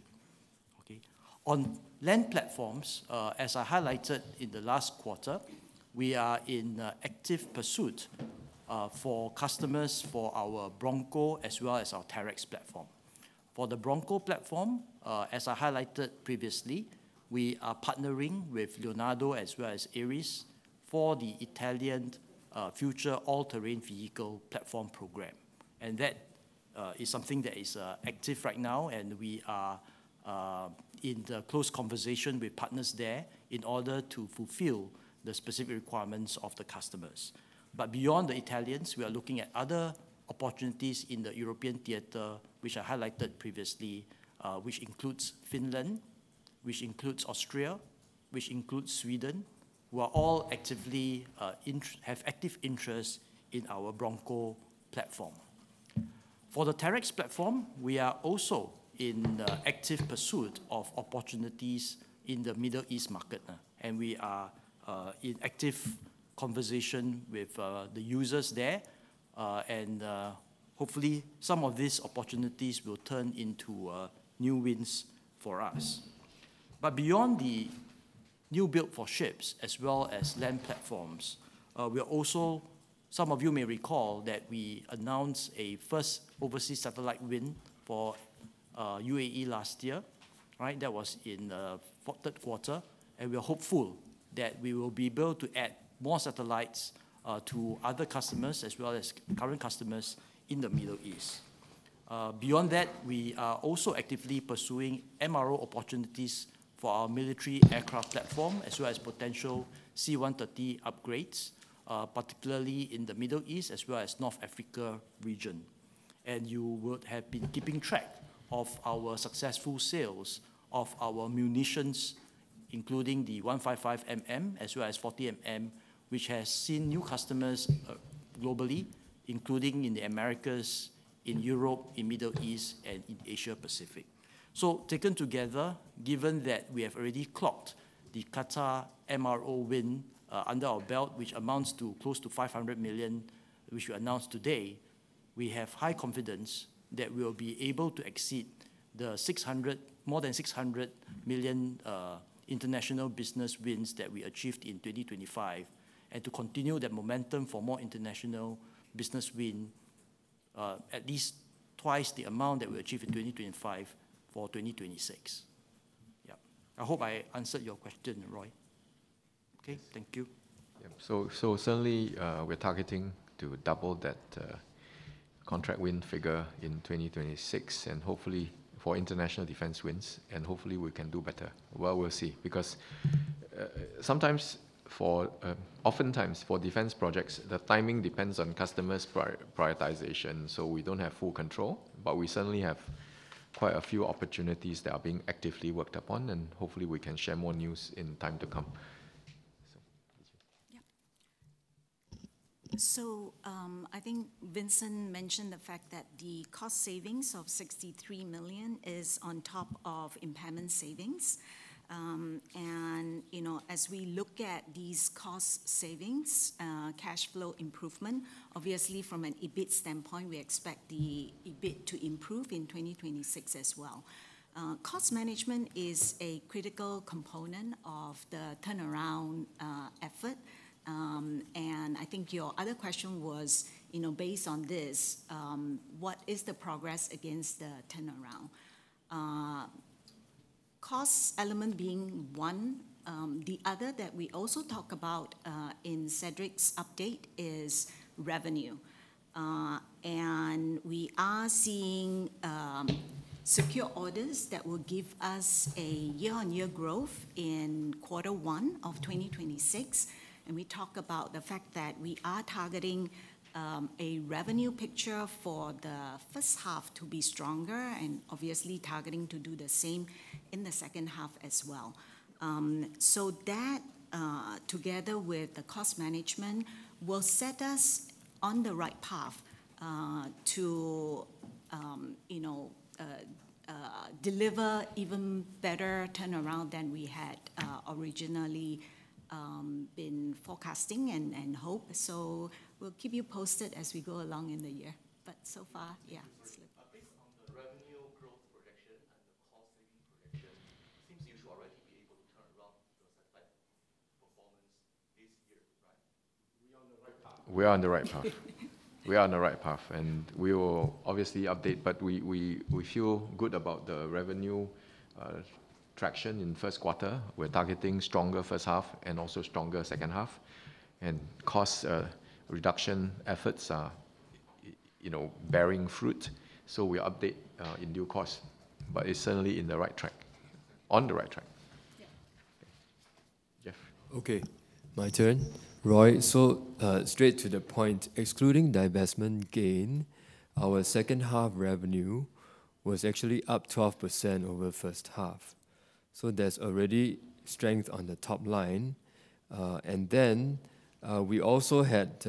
Speaker 5: okay? On land platforms, as I highlighted in the last quarter, we are in active pursuit for customers for our Bronco as well as our Terrex platform. For the Bronco platform, as I highlighted previously, we are partnering with Leonardo as well as ARIS for the Italian Future All-Terrain Vehicle platform program. That is something that is active right now, and we are in the close conversation with partners there in order to fulfill the specific requirements of the customers. Beyond the Italians, we are looking at other opportunities in the European theater, which I highlighted previously, which includes Finland, which includes Austria, which includes Sweden, who are all actively have active interest in our Bronco platform. For the Terrex platform, we are also in the active pursuit of opportunities in the Middle East market, and we are in active conversation with the users there, and hopefully, some of these opportunities will turn into new wins for us. Beyond the new build for ships as well as land platforms, some of you may recall that we announced a first overseas satellite win for UAE last year, right? That was in fourth, third quarter, and we are hopeful that we will be able to add more satellites to other customers as well as current customers in the Middle East. Beyond that, we are also actively pursuing MRO opportunities for our military aircraft platform, as well as potential C-130 upgrades, particularly in the Middle East as well as North Africa region. You would have been keeping track of our successful sales of our munitions, including the 155mm, as well as 40mm, which has seen new customers globally, including in the Americas, in Europe, in Middle East, and in Asia Pacific. Taken together, given that we have already clocked the Qatar MRO win under our belt, which amounts to close to 500 million, which we announced today, we have high confidence that we will be able to exceed the 600 million, more than 600 million, international business wins that we achieved in 2025, and to continue that momentum for more international business wins, at least twice the amount that we achieved in 2025 for 2026. Yeah. I hope I answered your question, Roy. Okay, thank you.
Speaker 3: Certainly, we're targeting to double that contract win figure in 2026, and hopefully for international defense wins, and hopefully we can do better. We'll see, because sometimes oftentimes for defense projects, the timing depends on customers prioritization, so we don't have full control, but we certainly have quite a few opportunities that are being actively worked upon, and hopefully we can share more news in time to come. That's it.
Speaker 6: I think Vincent Chong mentioned the fact that the cost savings of 63 million is on top of impairment savings. You know, as we look at these cost savings, cash flow improvement, obviously from an EBIT standpoint, we expect the EBIT to improve in 2026 as well. Cost management is a critical component of the turnaround effort. I think your other question was, you know, based on this, what is the progress against the turnaround? Cost element being one, the other that we also talk about in Cedric Foo's update is revenue. We are seeing secure orders that will give us a year-on-year growth in Q1 of 2026, and we talk about the fact that we are targeting a revenue picture for the 1st half to be stronger, and obviously targeting to do the same in the 2nd half as well. That, together with the cost management, will set us on the right path to, you know, deliver even better turnaround than we had originally been forecasting and hope. We'll keep you posted as we go along in the year. So far, yeah.
Speaker 4: Based on the revenue growth projection and the cost-saving projection, it seems you should already be able to turn around the second half performance this year, right?
Speaker 3: We are on the right path. We are on the right path, we will obviously update, we feel good about the revenue traction in first quarter. We're targeting stronger first half and also stronger second half, cost reduction efforts are, you know, bearing fruit. We'll update in due course, but it's certainly in the right track. On the right track.
Speaker 6: Yeah.
Speaker 3: Jeff?
Speaker 7: Okay, my turn. Roy, straight to the point, excluding divestment gain, our second half revenue was actually up 12% over the first half. There's already strength on the top line. We also had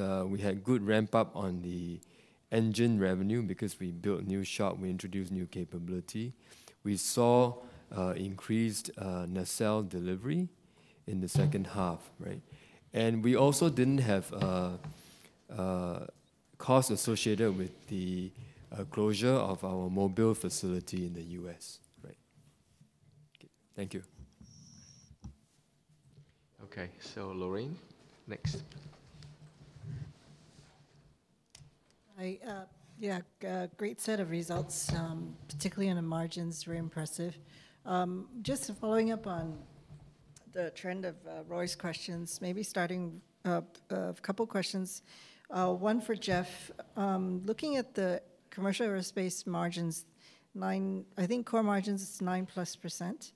Speaker 7: good ramp-up on the engine revenue because we built a new shop, we introduced new capability. We saw increased Nacelle delivery in the second half, right? We also didn't have costs associated with the closure of our Mobile facility in the US, right. Thank you.
Speaker 3: Okay, Lorraine, next.
Speaker 8: I, yeah, great set of results, particularly on the margins, very impressive. Just following up on the trend of Roy's questions, maybe starting a couple questions, one for Jeff. Looking at the Commercial Aerospace margins, I think core margins is 9+%,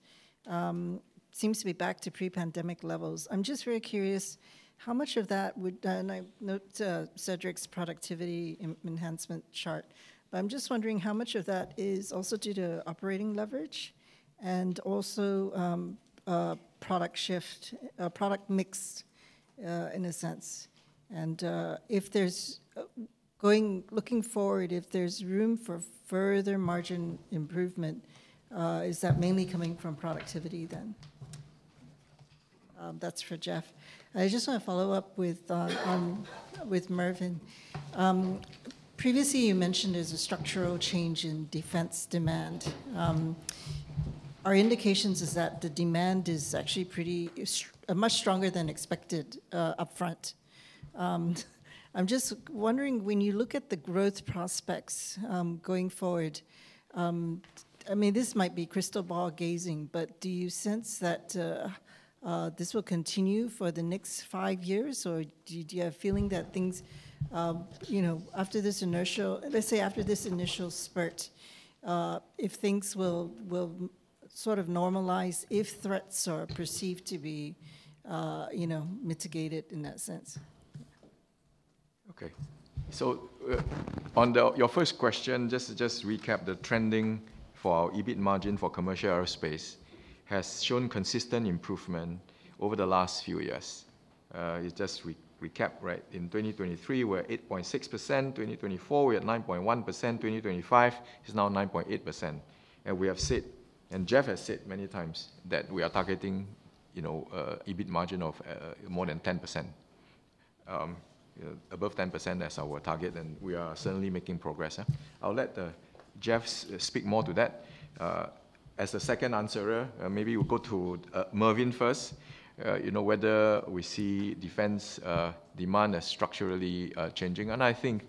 Speaker 8: seems to be back to pre-pandemic levels. I'm just very curious, how much of that is also due to operating leverage and also product shift, product mix, in a sense. If there's looking forward, if there's room for further margin improvement, is that mainly coming from productivity then? That's for Jeff. I just want to follow up with Mervin. Previously, you mentioned there's a structural change in defense demand. Our indications is that the demand is actually pretty much stronger than expected upfront. I'm just wondering, when you look at the growth prospects going forward, I mean, this might be crystal ball gazing, but do you sense that this will continue for the next five years, or do you have a feeling that things, you know, after this inertia, let's say, after this initial spurt, if things will sort of normalize, if threats are perceived to be, you know, mitigated in that sense?
Speaker 3: On your first question, just to recap, the trending for our EBIT margin for Commercial Aerospace has shown consistent improvement over the last few years. You just recapped, right? In 2023, we were 8.6%, 2024, we are at 9.1%, 2025 is now 9.8%. We have said, and Jeff has said many times, that we are targeting, you know, EBIT margin of more than 10%. Above 10%, that's our target, and we are certainly making progress. I'll let Jeff speak more to that. As a second answerer, maybe we'll go to Mervyn first, you know, whether we see Defense demand as structurally changing. I think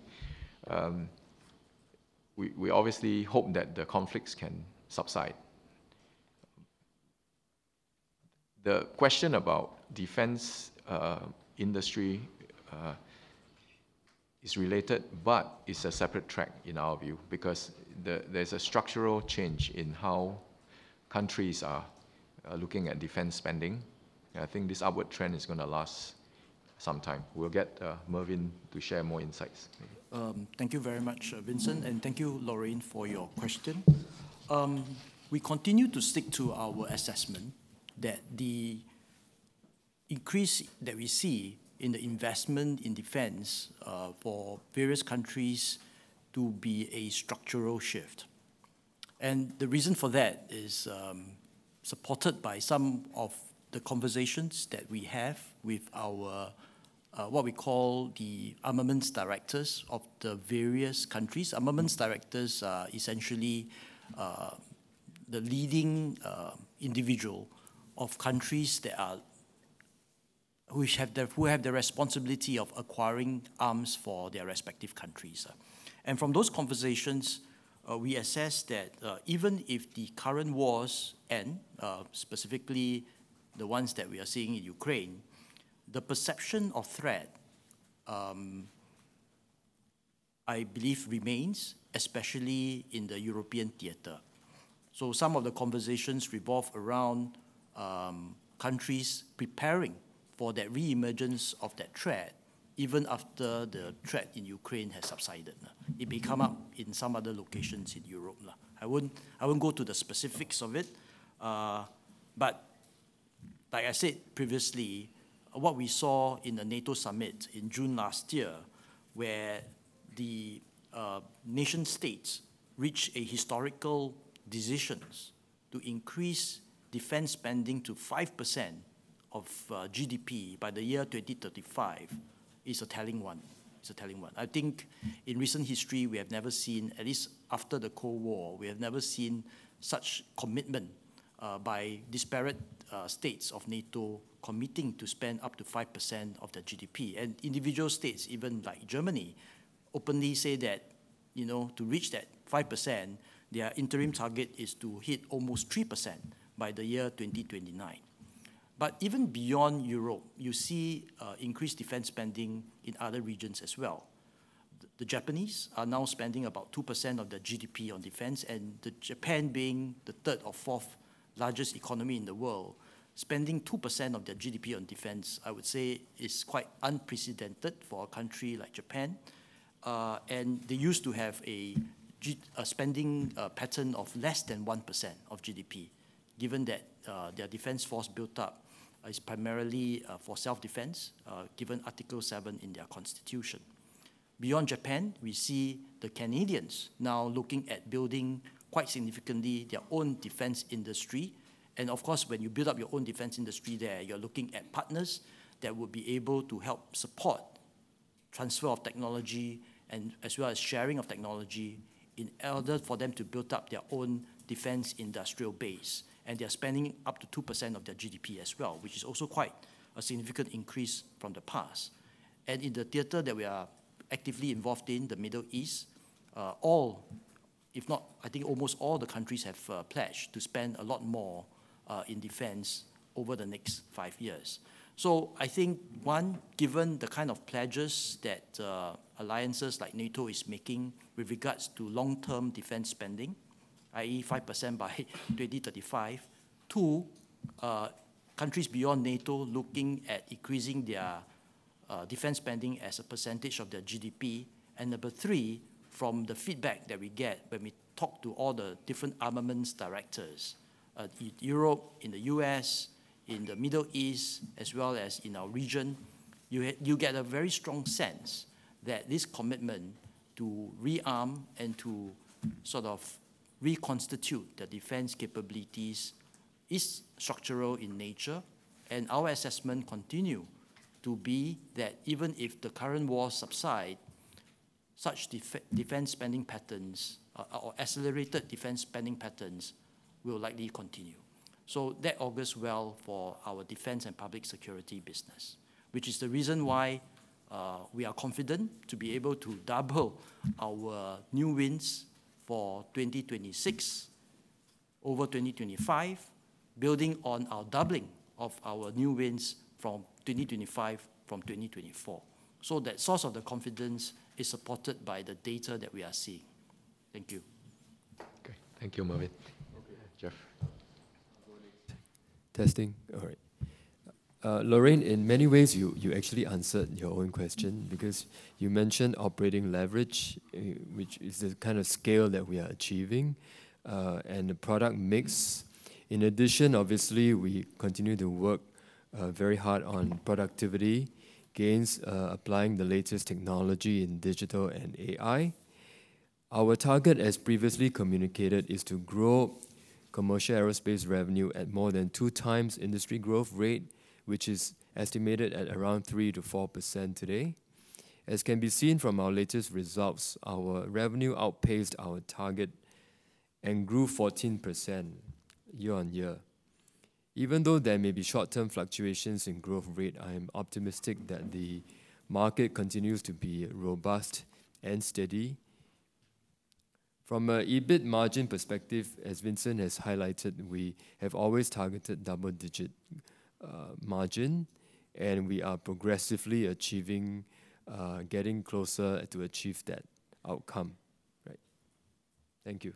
Speaker 3: we obviously hope that the conflicts can subside. The question about defense industry is related, but it's a separate track in our view, because there's a structural change in how countries are looking at defense spending. I think this upward trend is gonna last some time. We'll get Mervyn to share more insights.
Speaker 5: Thank you very much, Vincent, and thank you, Lorraine, for your question. We continue to stick to our assessment that the increase that we see in the investment in defense for various countries to be a structural shift. The reason for that is, supported by some of the conversations that we have with our, what we call the armaments directors of the various countries. Armaments directors are essentially the leading individual of countries who have the responsibility of acquiring arms for their respective countries. From those conversations, we assess that, even if the current wars, and specifically the ones that we are seeing in Ukraine, the perception of threat, I believe, remains, especially in the European theater. Some of the conversations revolve around countries preparing for the re-emergence of that threat, even after the threat in Ukraine has subsided. It may come up in some other locations in Europe. I won't go to the specifics of it, like I said previously, what we saw in the NATO summit in June last year, where the nation states reached a historical decisions to increase defense spending to 5% of GDP by the year 2035, is a telling one. It's a telling one. I think in recent history, we have never seen, at least after the Cold War, we have never seen such commitment by disparate states of NATO committing to spend up to 5% of their GDP. Individual states, even like Germany, openly say that, you know, to reach that 5%, their interim target is to hit almost 3% by the year 2029. Even beyond Europe, you see increased defense spending in other regions as well. The Japanese are now spending about 2% of their GDP on defense, and the Japan being the third or fourth largest economy in the world, spending 2% of their GDP on defense, I would say, is quite unprecedented for a country like Japan. They used to have a spending pattern of less than 1% of GDP, given that their defense force built up is primarily for self-defense, given Article Seven in their constitution. Beyond Japan, we see the Canadians now looking at building, quite significantly, their own defense industry. Of course, when you build up your own defense industry there, you're looking at partners that will be able to help support transfer of technology and as well as sharing of technology in order for them to build up their own defense industrial base. They're spending up to 2% of their GDP as well, which is also quite a significant increase from the past. In the theater that we are actively involved in, the Middle East, all, if not, I think almost all the countries have pledged to spend a lot more in defense over the next five years. I think, one, given the kind of pledges that alliances like NATO is making with regards to long-term defense spending, i.e., 5% by 2035, two, countries beyond NATO looking at increasing their defense spending as a percentage of their GDP, number three, from the feedback that we get when we talk to all the different armaments directors in Europe, in the U.S., in the Middle East, as well as in our region, you get a very strong sense that this commitment to rearm and to sort of reconstitute the defense capabilities is structural in nature. Our assessment continue to be that even if the current wars subside, such defense spending patterns, or accelerated defense spending patterns, will likely continue. That augurs well for our Defence & Public Security business, which is the reason why we are confident to be able to double our new wins for 2026 over 2025, building on our doubling of our new wins from 2025 from 2024. That source of the confidence is supported by the data that we are seeing. Thank you.
Speaker 3: Okay. Thank you, Mervyn.
Speaker 7: Okay.
Speaker 3: Jeff?
Speaker 7: Testing. All right. Lorraine, in many ways, you actually answered your own question because you mentioned operating leverage, which is the kind of scale that we are achieving, and the product mix. In addition, obviously, we continue to work very hard on productivity gains, applying the latest technology in digital and AI. Our target, as previously communicated, is to grow Commercial Aerospace revenue at more than 2x industry growth rate, which is estimated at around 3%-4% today. As can be seen from our latest results, our revenue outpaced our target and grew 14% year-on-year. Even though there may be short-term fluctuations in growth rate, I am optimistic that the market continues to be robust and steady. From a EBIT margin perspective, as Vincent has highlighted, we have always targeted double-digit margin, and we are progressively achieving, getting closer to achieve that outcome, right? Thank you.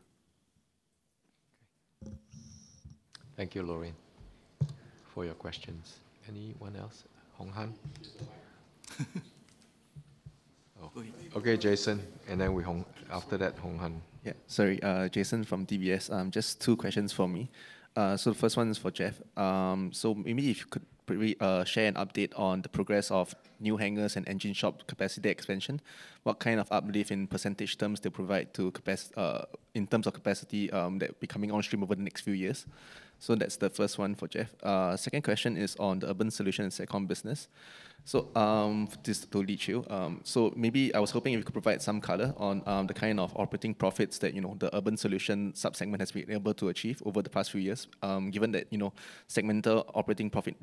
Speaker 3: Thank you, Lorraine, for your questions. Anyone else? Okay, Jason, and then we Hong, after that, Hong Han.
Speaker 9: Yeah. Sorry, Jason from DBS. Just two questions for me. The first one is for Jeff. Maybe if you could probably share an update on the progress of new hangars and engine shop capacity expansion, what kind of uplift in percent terms they provide in terms of capacity that will be coming on stream over the next few years? That's the first one for Jeff. Second question is on the Urban Solutions and second business. Just to Koh Li-Qiu, maybe I was hoping you could provide some color on the kind of operating profits that, you know, the Urban Solutions sub-segment has been able to achieve over the past few years, given that, you know, segmental operating profit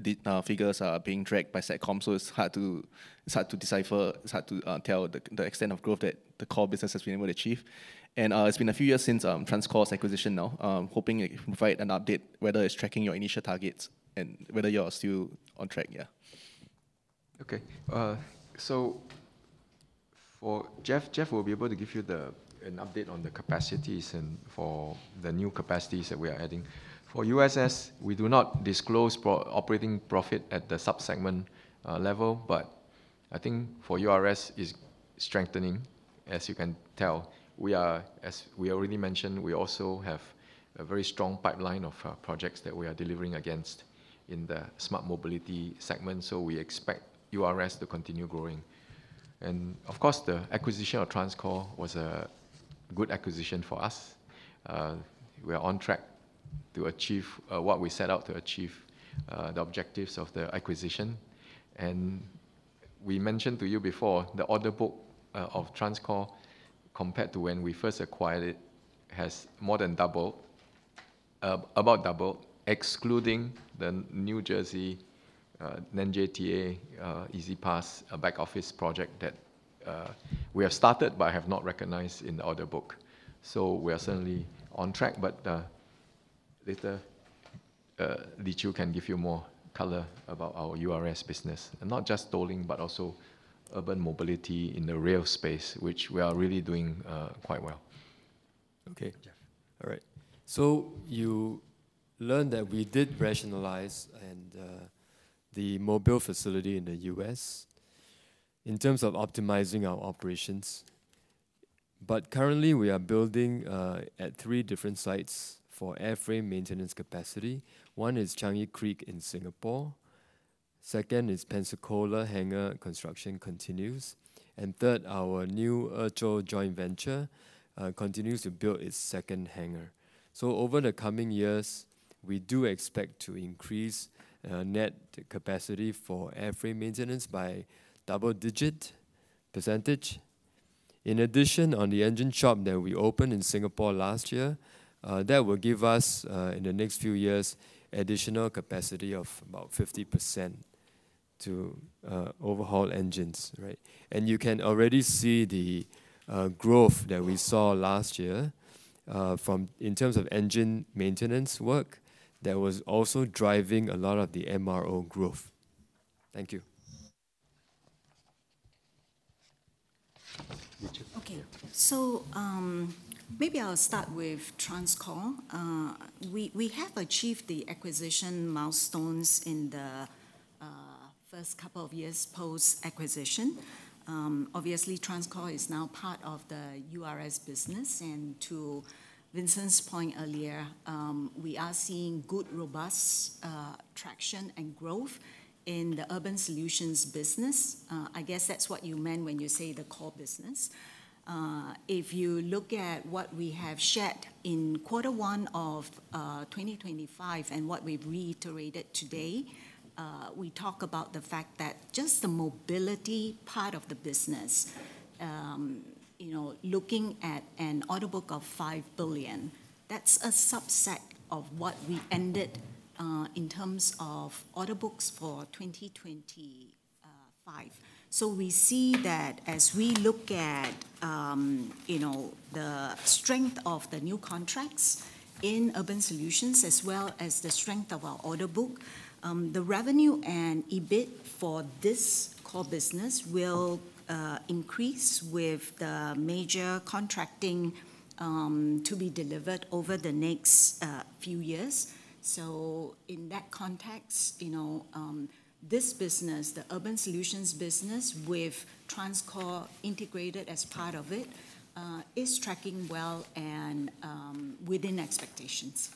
Speaker 9: figures are being dragged by Satcom, so it's hard to decipher, it's hard to tell the extent of growth that the core business has been able to achieve. It's been a few years since TransCore's acquisition now. Hoping you can provide an update, whether it's tracking your initial targets and whether you're still on track. Yeah.
Speaker 3: Okay. Jeff will be able to give you an update on the capacities and for the new capacities that we are adding. For USS, we do not disclose operating profit at the sub-segment level, I think for URS is strengthening, as you can tell. We are, as we already mentioned, we also have a very strong pipeline of projects that we are delivering against in the smart mobility segment, we expect URS to continue growing. Of course, the acquisition of TransCore was a good acquisition for us. We are on track to achieve what we set out to achieve, the objectives of the acquisition. We mentioned to you before, the order book of TransCore, compared to when we first acquired it, has more than doubled, about double, excluding the New Jersey NJTA E-ZPass back office project that we have started but have not recognized in the order book. We are certainly on track, but later, Li Qiu can give you more color about our URS business, and not just tolling, but also urban mobility in the rail space, which we are really doing quite well.
Speaker 9: Okay.
Speaker 3: Jeff.
Speaker 7: All right. You learned that we did rationalize and the Mobile facility in the U.S. in terms of optimizing our operations, but currently, we are building at three different sites for airframe maintenance capacity. One is Changi Creek in Singapore, second is Pensacola Hangar, construction continues, and third, our new EZO joint venture continues to build its second hangar. Over the coming years, we do expect to increase net capacity for airframe maintenance by double-digit percentage. In addition, on the engine shop that we opened in Singapore last year, that will give us in the next few years, additional capacity of about 50% to overhaul engines, right? You can already see the growth that we saw last year in terms of engine maintenance work, that was also driving a lot of the MRO growth. Thank you.
Speaker 3: Koh Li-Qiu.
Speaker 6: Okay.
Speaker 3: Yeah.
Speaker 6: Maybe I'll start with TransCore. We have achieved the acquisition milestones in the first couple of years post-acquisition. Obviously, TransCore is now part of the URS business, and to Vincent's point earlier, we are seeing good, robust traction and growth in the Urban Solutions business. I guess that's what you meant when you say the core business. If you look at what we have shared in quarter one of 2025 and what we've reiterated today, we talk about the fact that just the mobility part of the business, you know, looking at an order book of 5 billion, that's a subset of what we ended in terms of order books for 2025. We see that as we look at, you know, the strength of the new contracts in Urban Solutions, as well as the strength of our order book, the revenue and EBIT for this core business will increase with the major contracting to be delivered over the next few years. In that context, you know, this business, the Urban Solutions business, with TransCore integrated as part of it, is tracking well and within expectations.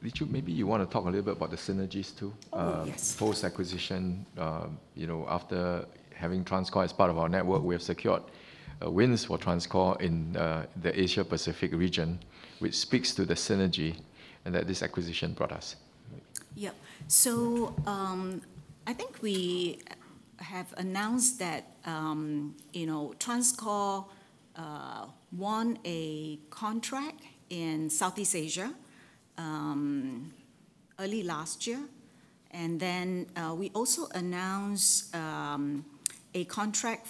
Speaker 3: Koh Li-Qiu, maybe you wanna talk a little bit about the synergies, too?
Speaker 6: Oh, yes.
Speaker 3: post-acquisition, you know, after having TransCore as part of our network, we have secured wins for TransCore in the Asia Pacific region, which speaks to the synergy and that this acquisition brought us.
Speaker 6: Yep. I think we have announced that, you know, TransCore won a contract in Southeast Asia early last year. We also announced a contract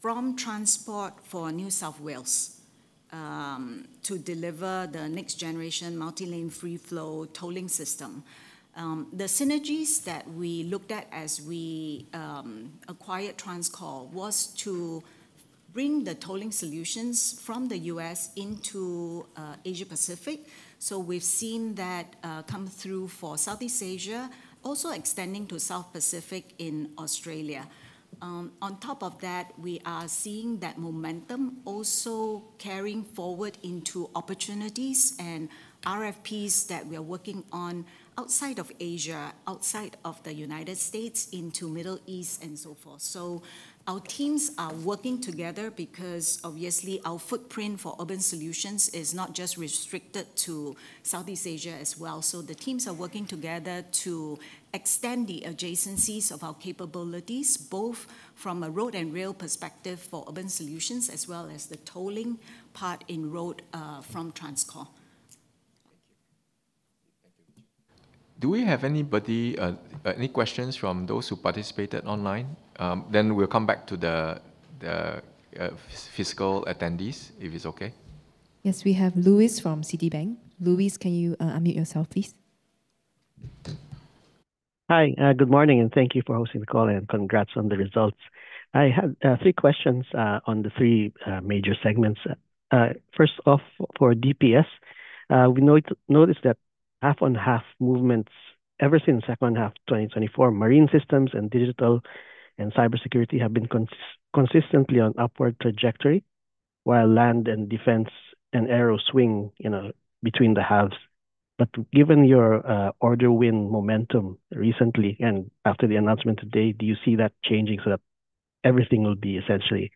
Speaker 6: from Transport for NSW to deliver the next generation multi-lane free flow tolling system. The synergies that we looked at as we acquired TransCore was to bring the tolling solutions from the U.S. into Asia Pacific. We've seen that come through for Southeast Asia, also extending to South Pacific in Australia. On top of that, we are seeing that momentum also carrying forward into opportunities and RFPs that we are working on outside of Asia, outside of the United States, into Middle East and so forth. Our teams are working together because obviously our footprint for Urban Solutions is not just restricted to Southeast Asia as well. The teams are working together to extend the adjacencies of our capabilities, both from a road and rail perspective for Urban Solutions, as well as the tolling part in road from TransCore.
Speaker 3: Thank you. Do we have anybody, any questions from those who participated online? We'll come back to the physical attendees, if it's okay.
Speaker 1: Yes, we have Louis from Citibank. Louis, can you unmute yourself, please?
Speaker 10: Hi, good morning, thank you for hosting the call, and congrats on the results. I have three questions on the three major segments. First off, for DPS, we noticed that half on half movements ever since second half of 2024, marine systems and digital and cybersecurity have been consistently on upward trajectory, while land and defense and aero swing, you know, between the halves. Given your order win momentum recently and after the announcement today, do you see that changing so that everything will be essentially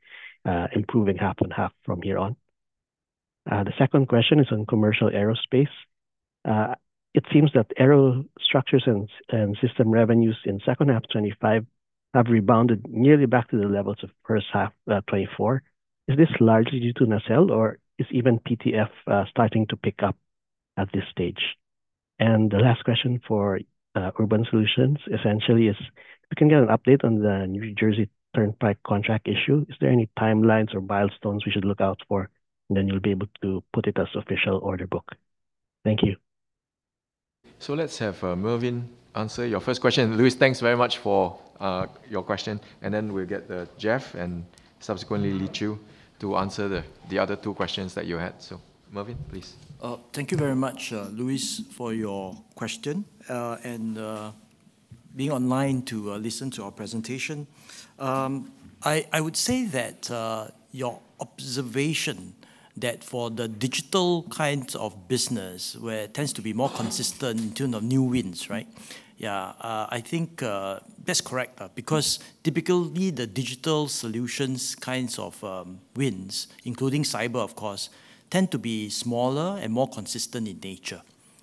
Speaker 10: improving half on half from here on? The second question is on Commercial Aerospace. It seems that aerostructures and system revenues in second half 2025 have rebounded nearly back to the levels of first half 2024. Is this largely due to Nacelle, or is even PTF starting to pick up at this stage? The last question for Urban Solutions essentially is, if we can get an update on the New Jersey Turnpike contract issue, is there any timelines or milestones we should look out for, and then you'll be able to put it as official order book? Thank you.
Speaker 3: Let's have Mervyn answer your first question. Louis, thanks very much for your question, and then we'll get Jeff and subsequently Lee Chew to answer the other two questions that you had. Mervyn, please.
Speaker 5: Thank you very much, Louis, for your question, and being online to listen to our presentation. I would say that your observation that for the digital kinds of business, where it tends to be more consistent in terms of new wins, right? Yeah, I think that's correct, because typically, the digital solutions kinds of wins, including cyber, of course, tend to be smaller and more consistent in nature.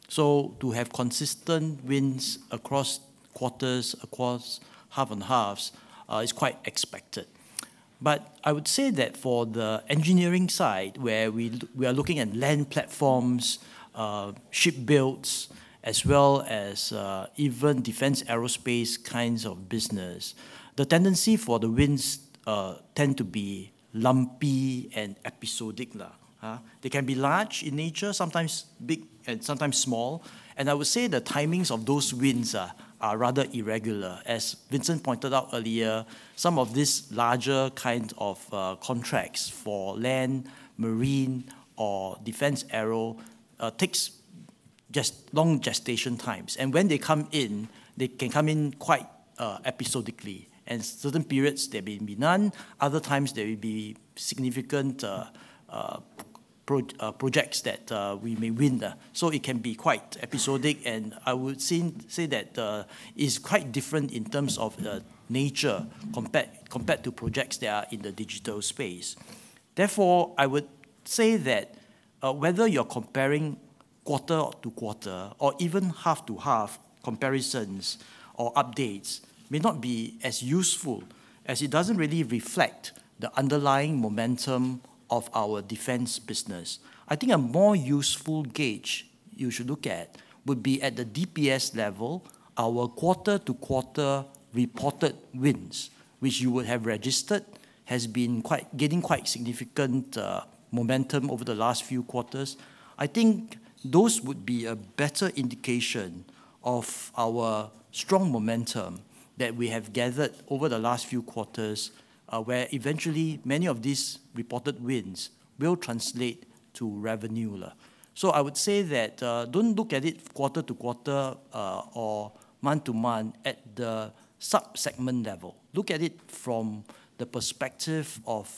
Speaker 5: To have consistent wins across quarters, across half and halves, is quite expected. I would say that for the engineering side, where we are looking at land platforms, ship builds, as well as, even defense aerospace kinds of business, the tendency for the wins, tend to be lumpy and episodic, huh? They can be large in nature, sometimes big and sometimes small, and I would say the timings of those wins are rather irregular. As Vincent pointed out earlier, some of these larger kind of contracts for land, marine, or defense aero takes long gestation times, and when they come in, they can come in quite episodically. In certain periods, there may be none, other times there will be significant projects that we may win. It can be quite episodic, and I would say that it's quite different in terms of the nature compared to projects that are in the digital space. I would say that, whether you're comparing quarter-to-quarter or even half-to-half comparisons or updates may not be as useful, as it doesn't really reflect the underlying momentum of our Defence business. I think a more useful gauge you should look at would be at the DPS level, our quarter-to-quarter reported wins, which you would have registered, has been getting quite significant momentum over the last few quarters. I think those would be a better indication of our strong momentum that we have gathered over the last few quarters, where eventually many of these reported wins will translate to revenue. I would say that, don't look at it quarter-to-quarter or month-to-month at the sub-segment level. Look at it from the perspective of,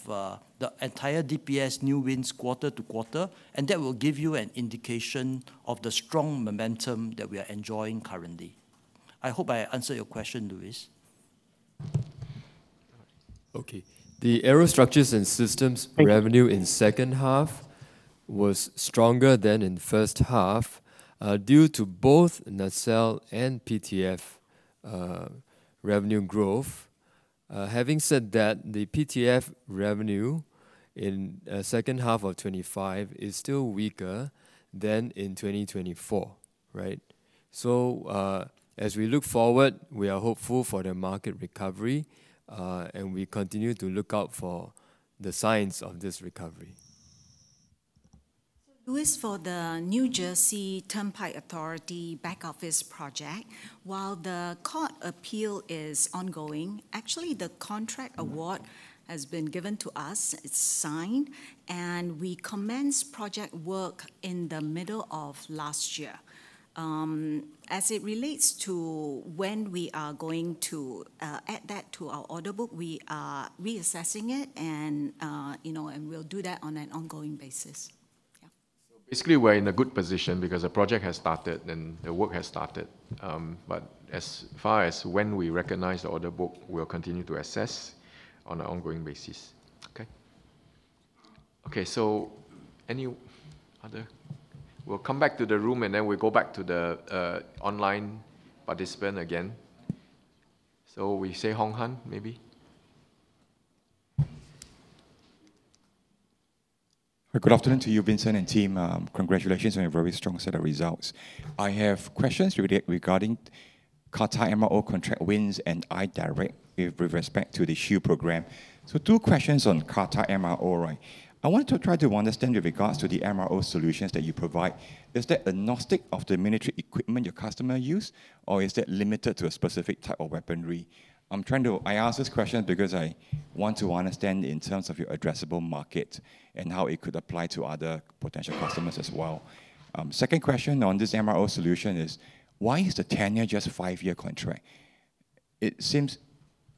Speaker 5: the entire DPS new wins quarter to quarter. That will give you an indication of the strong momentum that we are enjoying currently. I hope I answered your question, Louis.
Speaker 3: Okay. The Aerostructures and Systems-
Speaker 5: Thank you.
Speaker 3: revenue in second half was stronger than in first half, due to both Nacelle and PTF revenue growth. Having said that, the PTF revenue in second half of 2025 is still weaker than in 2024, right? As we look forward, we are hopeful for the market recovery, and we continue to look out for the signs of this recovery.
Speaker 6: Louis, for the New Jersey Turnpike Authority back office project, while the court appeal is ongoing, actually the contract award has been given to us. It's signed. We commenced project work in the middle of last year. As it relates to when we are going to add that to our order book, we are reassessing it and, you know, and we'll do that on an ongoing basis. Yeah.
Speaker 3: Basically, we're in a good position because the project has started and the work has started. As far as when we recognize the order book, we'll continue to assess on an ongoing basis. Okay? Okay, any other... We'll come back to the room, we'll go back to the online participant again. We say, Hong Han, maybe?
Speaker 11: Good afternoon to you, Vincent and team. Congratulations on a very strong set of results. I have questions regarding Qatar MRO contract wins and iDirect with respect to the Shield program. Two questions on Qatar MRO, right? I want to try to understand with regards to the MRO solutions that you provide, is that agnostic of the military equipment your customer use, or is that limited to a specific type of weaponry? I ask this question because I want to understand in terms of your addressable market and how it could apply to other potential customers as well. second question on this MRO solution is: Why is the tenure just a five-year contract? It seems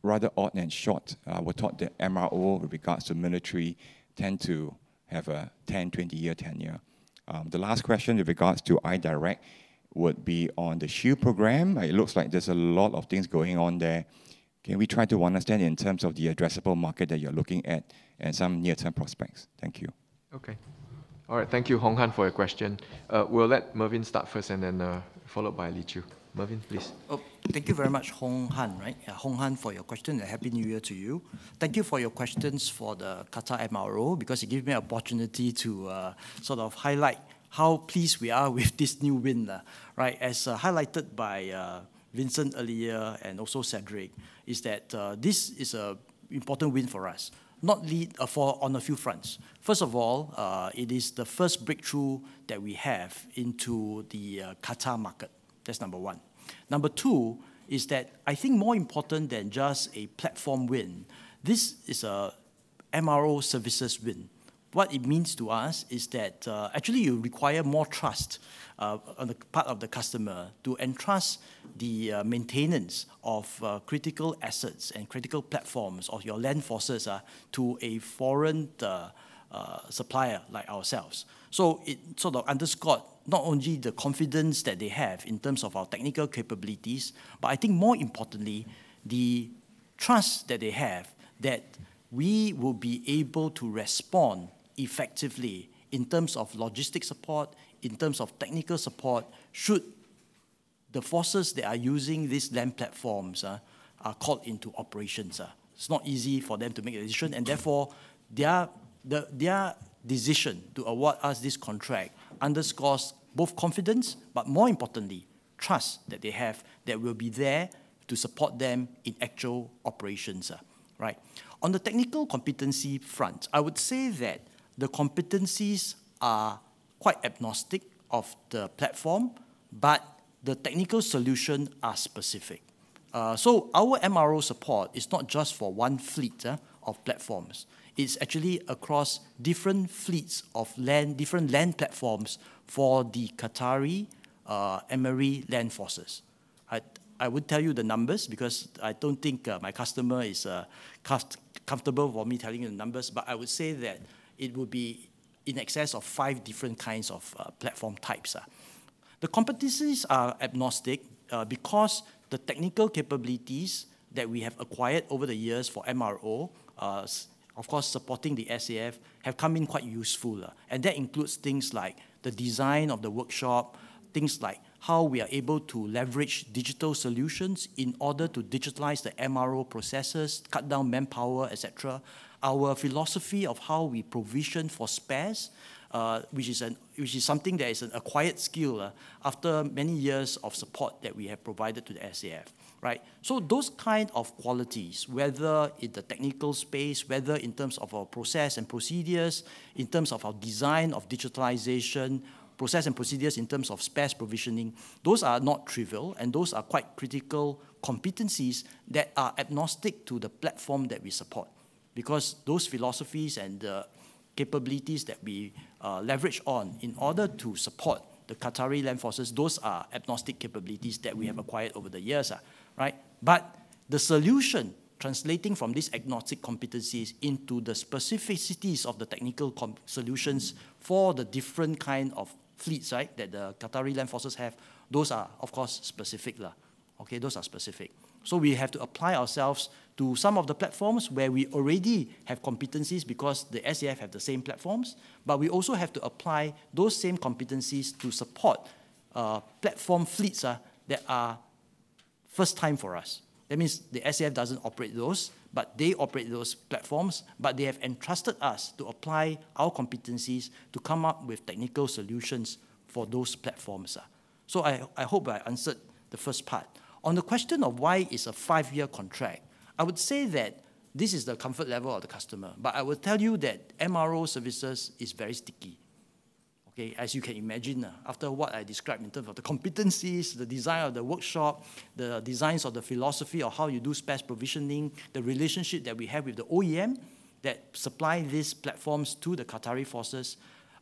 Speaker 11: rather odd and short. We're taught that MRO, with regards to military, tend to have a 10-year, 20-year tenure. The last question with regards to iDirect would be on the Shield program. It looks like there's a lot of things going on there. Can we try to understand in terms of the addressable market that you're looking at and some near-term prospects? Thank you.
Speaker 3: Okay. All right, thank you, Hong Han, for your question. We'll let Mervyn Tan start first, and then, followed by Tan Lee Chew. Mervyn Tan, please.
Speaker 5: Oh, thank you very much, Hong Han, right? Hong Han, for your question. Happy New Year to you. Thank you for your questions for the Qatar MRO, because it gives me an opportunity to sort of highlight how pleased we are with this new win, right? As highlighted by Vincent earlier and also Cedric, this is a important win for us, not lead- for on a few fronts. First of all, it is the first breakthrough that we have into the Qatar market. That's number one. Number two is that I think more important than just a platform win, this is a MRO services win. What it means to us is that, actually, you require more trust on the part of the customer to entrust the maintenance of critical assets and critical platforms of your land forces to a foreign supplier like ourselves. It sort of underscored not only the confidence that they have in terms of our technical capabilities, but I think more importantly, the trust that they have that we will be able to respond effectively in terms of logistic support, in terms of technical support, should the forces that are using these land platforms are called into operations. It's not easy for them to make a decision. Therefore, their decision to award us this contract underscores both confidence, but more importantly, trust that they have that we'll be there to support them in actual operations, right? On the technical competency front, I would say that the competencies are quite agnostic of the platform, but the technical solution are specific. Our MRO support is not just for one fleet of platforms. It's actually across different fleets of land, different land platforms for the Qatari Emiri Land Force. I would tell you the numbers, because I don't think my customer is comfortable for me telling you the numbers, but I would say that it would be in excess of five different kinds of platform types. The competencies are agnostic, because the technical capabilities that we have acquired over the years for MRO, of course, supporting the SAF, have come in quite useful, and that includes things like the design of the workshop, things like how we are able to leverage digital solutions in order to digitalize the MRO processes, cut down manpower, et cetera. Our philosophy of how we provision for spares, which is something that is an acquired skill, after many years of support that we have provided to the SAF, right? Those kind of qualities, whether in the technical space, whether in terms of our process and procedures, in terms of our design of digitalization, process and procedures, in terms of spares provisioning, those are not trivial, and those are quite critical competencies that are agnostic to the platform that we support, because those philosophies and the capabilities that we leverage on in order to support the Qatari Land Forces, those are agnostic capabilities that we have acquired over the years, right. But the solution, translating from these agnostic competencies into the specificities of the technical solutions for the different kind of fleets, right, that the Qatari Land Forces have, those are, of course, specific. Okay, those are specific. We have to apply ourselves to some of the platforms where we already have competencies because the SAF have the same platforms, but we also have to apply those same competencies to support platform fleets that are first time for us. That means the SAF doesn't operate those, but they operate those platforms, but they have entrusted us to apply our competencies to come up with technical solutions for those platforms. I hope I answered the first part. On the question of why it's a five-year contract, I would say that this is the comfort level of the customer, but I will tell you that MRO services is very sticky. Okay, as you can imagine, after what I described in terms of the competencies, the design of the workshop, the designs of the philosophy of how you do space provisioning, the relationship that we have with the OEM that supply these platforms to the Qatari forces.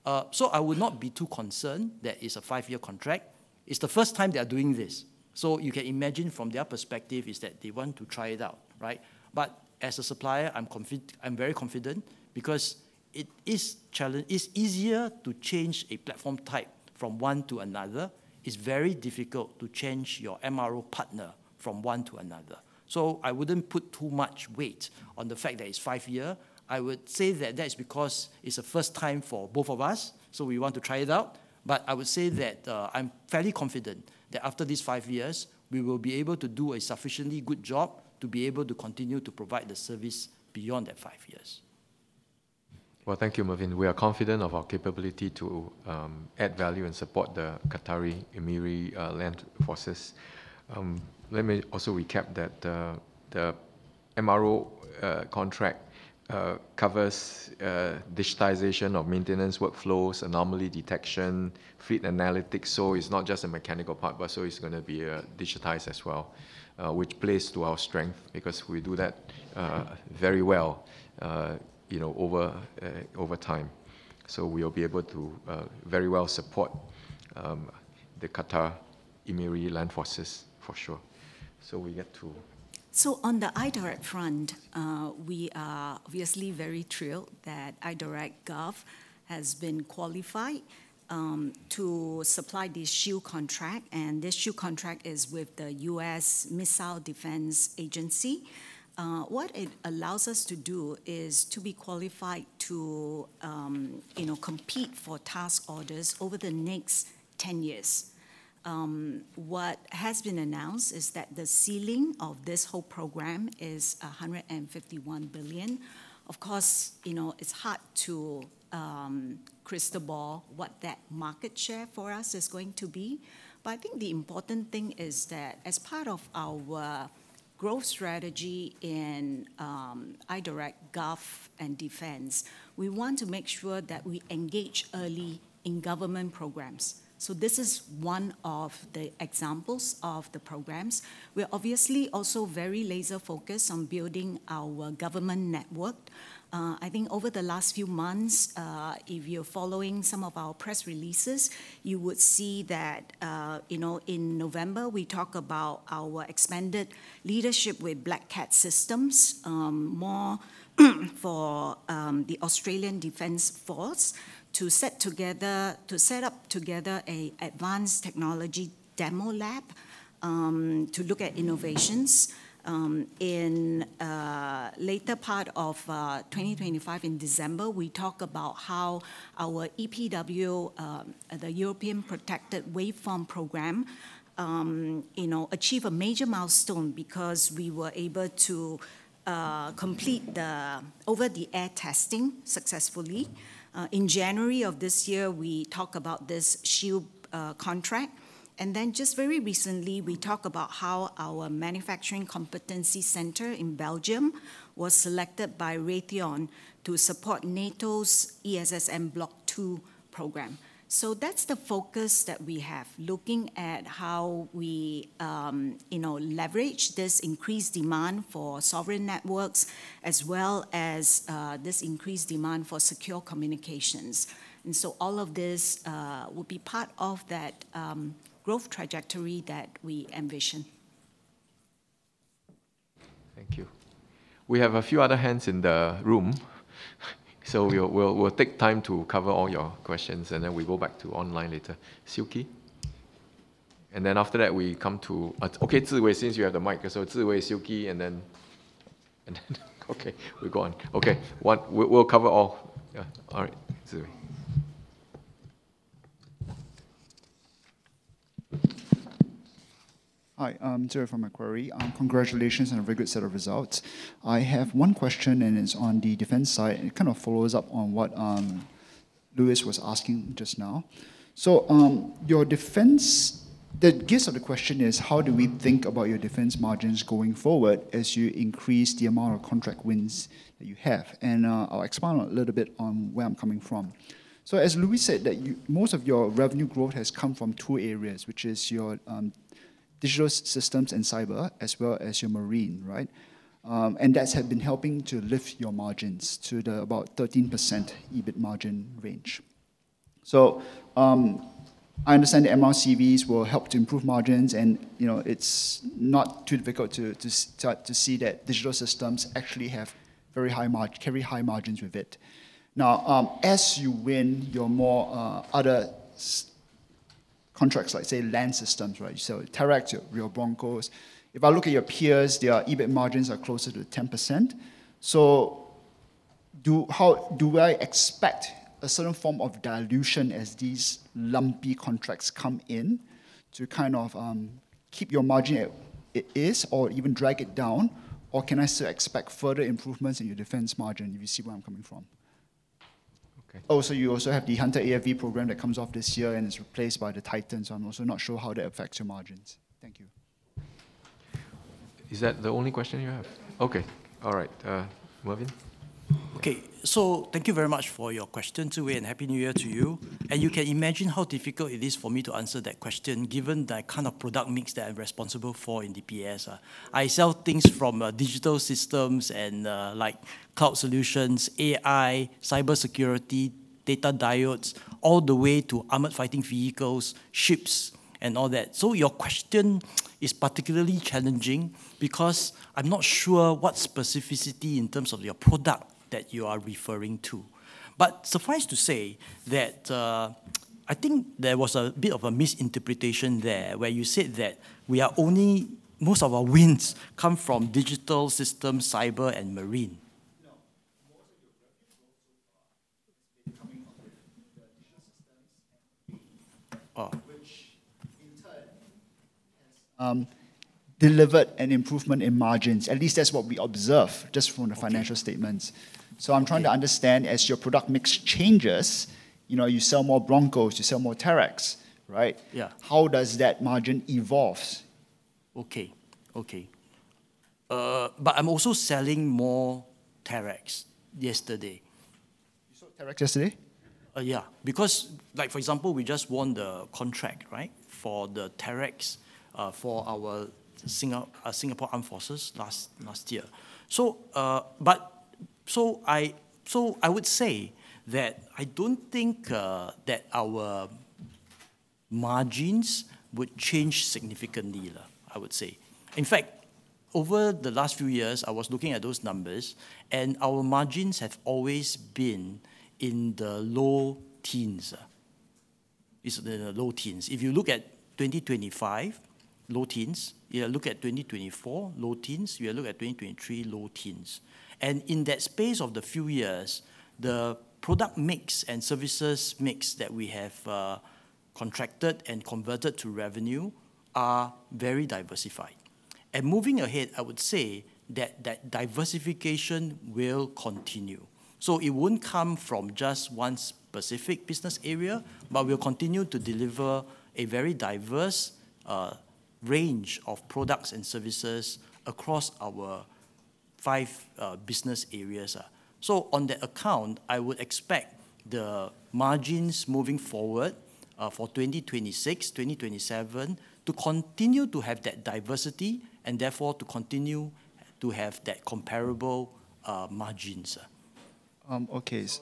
Speaker 5: I would not be too concerned that it's a five-year contract. It's the first time they are doing this, so you can imagine from their perspective is that they want to try it out, right? As a supplier, I'm very confident because it's easier to change a platform type from one to another. It's very difficult to change your MRO partner from one to another. I wouldn't put too much weight on the fact that it's five year. I would say that's because it's a first time for both of us, so we want to try it out. I would say that, I'm fairly confident that after these five years, we will be able to do a sufficiently good job to be able to continue to provide the service beyond that five years.
Speaker 3: Well, thank you, Mervyn. We are confident of our capability to add value and support the Qatari Emiri Land Force. Let me also recap that the MRO contract covers digitization of maintenance workflows, anomaly detection, fleet analytics, so it's not just a mechanical part, but so it's gonna be digitized as well, which plays to our strength because we do that very well, you know, over time. We'll be able to very well support the Qatari Emiri Land Force for sure.
Speaker 6: On the iDirect front, we are obviously very thrilled that iDirect Gov has been qualified to supply the Shield contract, and this Shield contract is with the U.S. Missile Defense Agency. What it allows us to do is to be qualified to, you know, compete for task orders over the next 10 years. What has been announced is that the ceiling of this whole program is $151 billion. Of course, you know, it's hard to crystal ball what that market share for us is going to be, but I think the important thing is that as part of our growth strategy in iDirect Gov and Defence, we want to make sure that we engage early in government programs. This is one of the examples of the programs. We're obviously also very laser focused on building our government network. I think over the last few months, if you're following some of our press releases, you would see that, you know, in November, we talk about our expanded leadership with Black Cat Systems, more for the Australian Defence Force to set up together a advanced technology demo lab, to look at innovations. In later part of 2025, in December, we talk about how our EPW, the European Protected Waveform program, you know, achieve a major milestone because we were able to complete the over-the-air testing successfully. In January of this year, we talk about this SHIELD contract, just very recently, we talk about how our manufacturing competency center in Belgium was selected by Raytheon to support NATO's ESSM Block two program. That's the focus that we have, looking at how we, you know, leverage this increased demand for sovereign networks, as well as, this increased demand for secure communications. All of this will be part of that growth trajectory that we envision.
Speaker 3: Thank you. We have a few other hands in the room, so we'll take time to cover all your questions, and then we go back to online later. Silky? After that, we come to Ziwei. Since you have the mic, so Ziwei, Silky, and then okay, we go on. One, we'll cover all. Yeah. Ziwei.
Speaker 12: Hi, I'm Ziwei from Macquarie. Congratulations on a very good set of results. I have one question, and it's on the defense side. It kind of follows up on what Louis was asking just now. The gist of the question is, how do we think about your defense margins going forward as you increase the amount of contract wins that you have? I'll expand on a little bit on where I'm coming from. As Louis said, that you, most of your revenue growth has come from two areas, which is your digital systems and cyber, as well as your marine, right? That's have been helping to lift your margins to the about 13% EBIT margin range. I understand the MRCVs will help to improve margins, and, you know, it's not too difficult to start to see that digital systems actually carry high margins with it. As you win your more other contracts, like, say, Land Systems, right? Terrex, your Rio Broncos. If I look at your peers, their EBIT margins are closer to 10%. Do I expect a certain form of dilution as these lumpy contracts come in to kind of keep your margin at it is, or even drag it down? Can I still expect further improvements in your defense margin, if you see where I'm coming from?
Speaker 3: Okay.
Speaker 12: You also have the Hunter AFV program that comes off this year and is replaced by the Titan. I'm also not sure how that affects your margins. Thank you.
Speaker 3: Is that the only question you have? Okay. All right, Mervyn?
Speaker 5: Okay, thank you very much for your question, too, and happy New Year to you. You can imagine how difficult it is for me to answer that question, given the kind of product mix that I'm responsible for in DPS. I sell things from digital systems and like cloud solutions, AI, cybersecurity, data diodes, all the way to armored fighting vehicles, ships, and all that. Your question is particularly challenging because I'm not sure what specificity in terms of your product that you are referring to. Suffice to say that I think there was a bit of a misinterpretation there, where you said that most of our wins come from digital systems, cyber, and marine.
Speaker 12: No, most of your revenue so far has been coming from the digital systems,
Speaker 5: Uh-
Speaker 12: which in turn, delivered an improvement in margins. At least that's what we observe just from the-
Speaker 5: Okay...
Speaker 12: financial statements. I'm trying to understand, as your product mix changes, you know, you sell more Broncos, you sell more Terrex, right?
Speaker 5: Yeah.
Speaker 12: How does that margin evolves?
Speaker 5: Okay, okay. I'm also selling more Terrex yesterday.
Speaker 12: You sold Terrex yesterday?
Speaker 5: Yeah, because, like, for example, we just won the contract, right? For the Terrex, for our Singapore Armed Forces last year. I would say that I don't think that our margins would change significantly, I would say. In fact, over the last few years, I was looking at those numbers, and our margins have always been in the low teens, it's the low teens. If you look at 2025, low teens, you look at 2024, low teens, you look at 2023, low teens. In that space of the few years, the product mix and services mix that we have contracted and converted to revenue are very diversified. Moving ahead, I would say that that diversification will continue. It won't come from just one specific business area, but we'll continue to deliver a very diverse range of products and services across our 5 business areas. On that account, I would expect the margins moving forward for 2026, 2027, to continue to have that diversity, and therefore, to continue to have that comparable margins.
Speaker 3: Okay, just to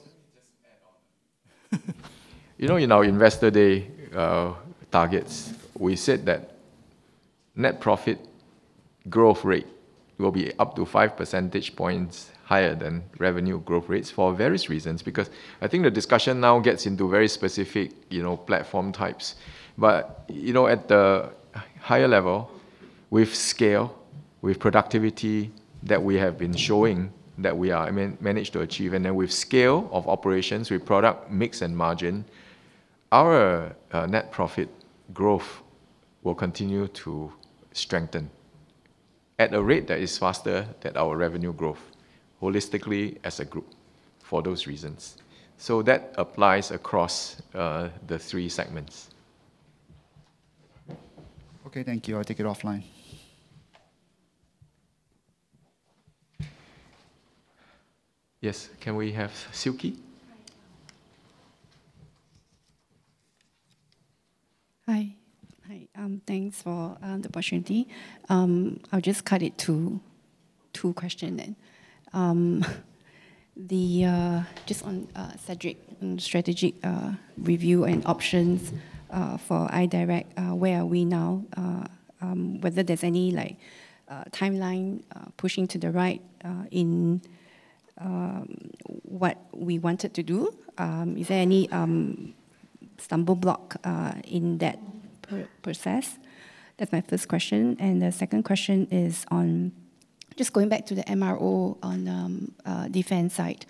Speaker 3: add on. You know, in our Investor Day targets, we said that net profit growth rate will be up to 5 percentage points higher than revenue growth rates for various reasons, because I think the discussion now gets into very specific, you know, platform types. But, you know, at the higher level, with scale, with productivity that we have been showing, that we are, I mean, managed to achieve, and then with scale of operations, with product mix and margin, our net profit growth will continue to strengthen at a rate that is faster than our revenue growth, holistically as a group, for those reasons. That applies across the three segments.
Speaker 12: Okay, thank you. I'll take it offline.
Speaker 3: Yes, can we have Silky?
Speaker 13: Hi, hi. Thanks for the opportunity. I'll just cut it to two question then. Just on strategic review and options for iDirect, where are we now? Whether there's any, like, timeline pushing to the right in what we wanted to do? Is there any stumble block in that process? That's my first question. The second question is on just going back to the MRO on defense side.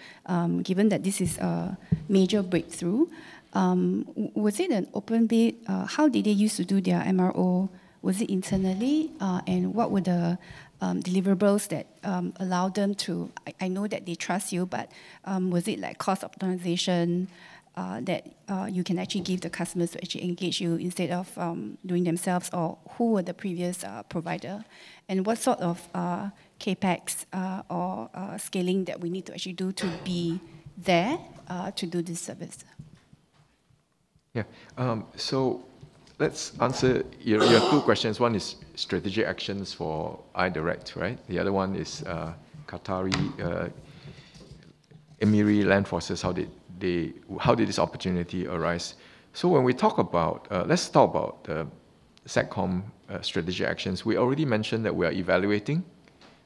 Speaker 13: Given that this is a major breakthrough, was it an open bid? How did they use to do their MRO? Was it internally? What were the deliverables that allowed them to... I know that they trust you, was it, like, cost optimization that you can actually give the customers to actually engage you instead of doing themselves, or who were the previous provider? What sort of CapEx or scaling that we need to actually do to be there to do this service?
Speaker 3: Let's answer. You have two questions. One is strategic actions for iDirect, right? The other one is Qatari Emiri Land Force. How did this opportunity arise? When we talk about, let's talk about Satcom strategic actions. We already mentioned that we are evaluating.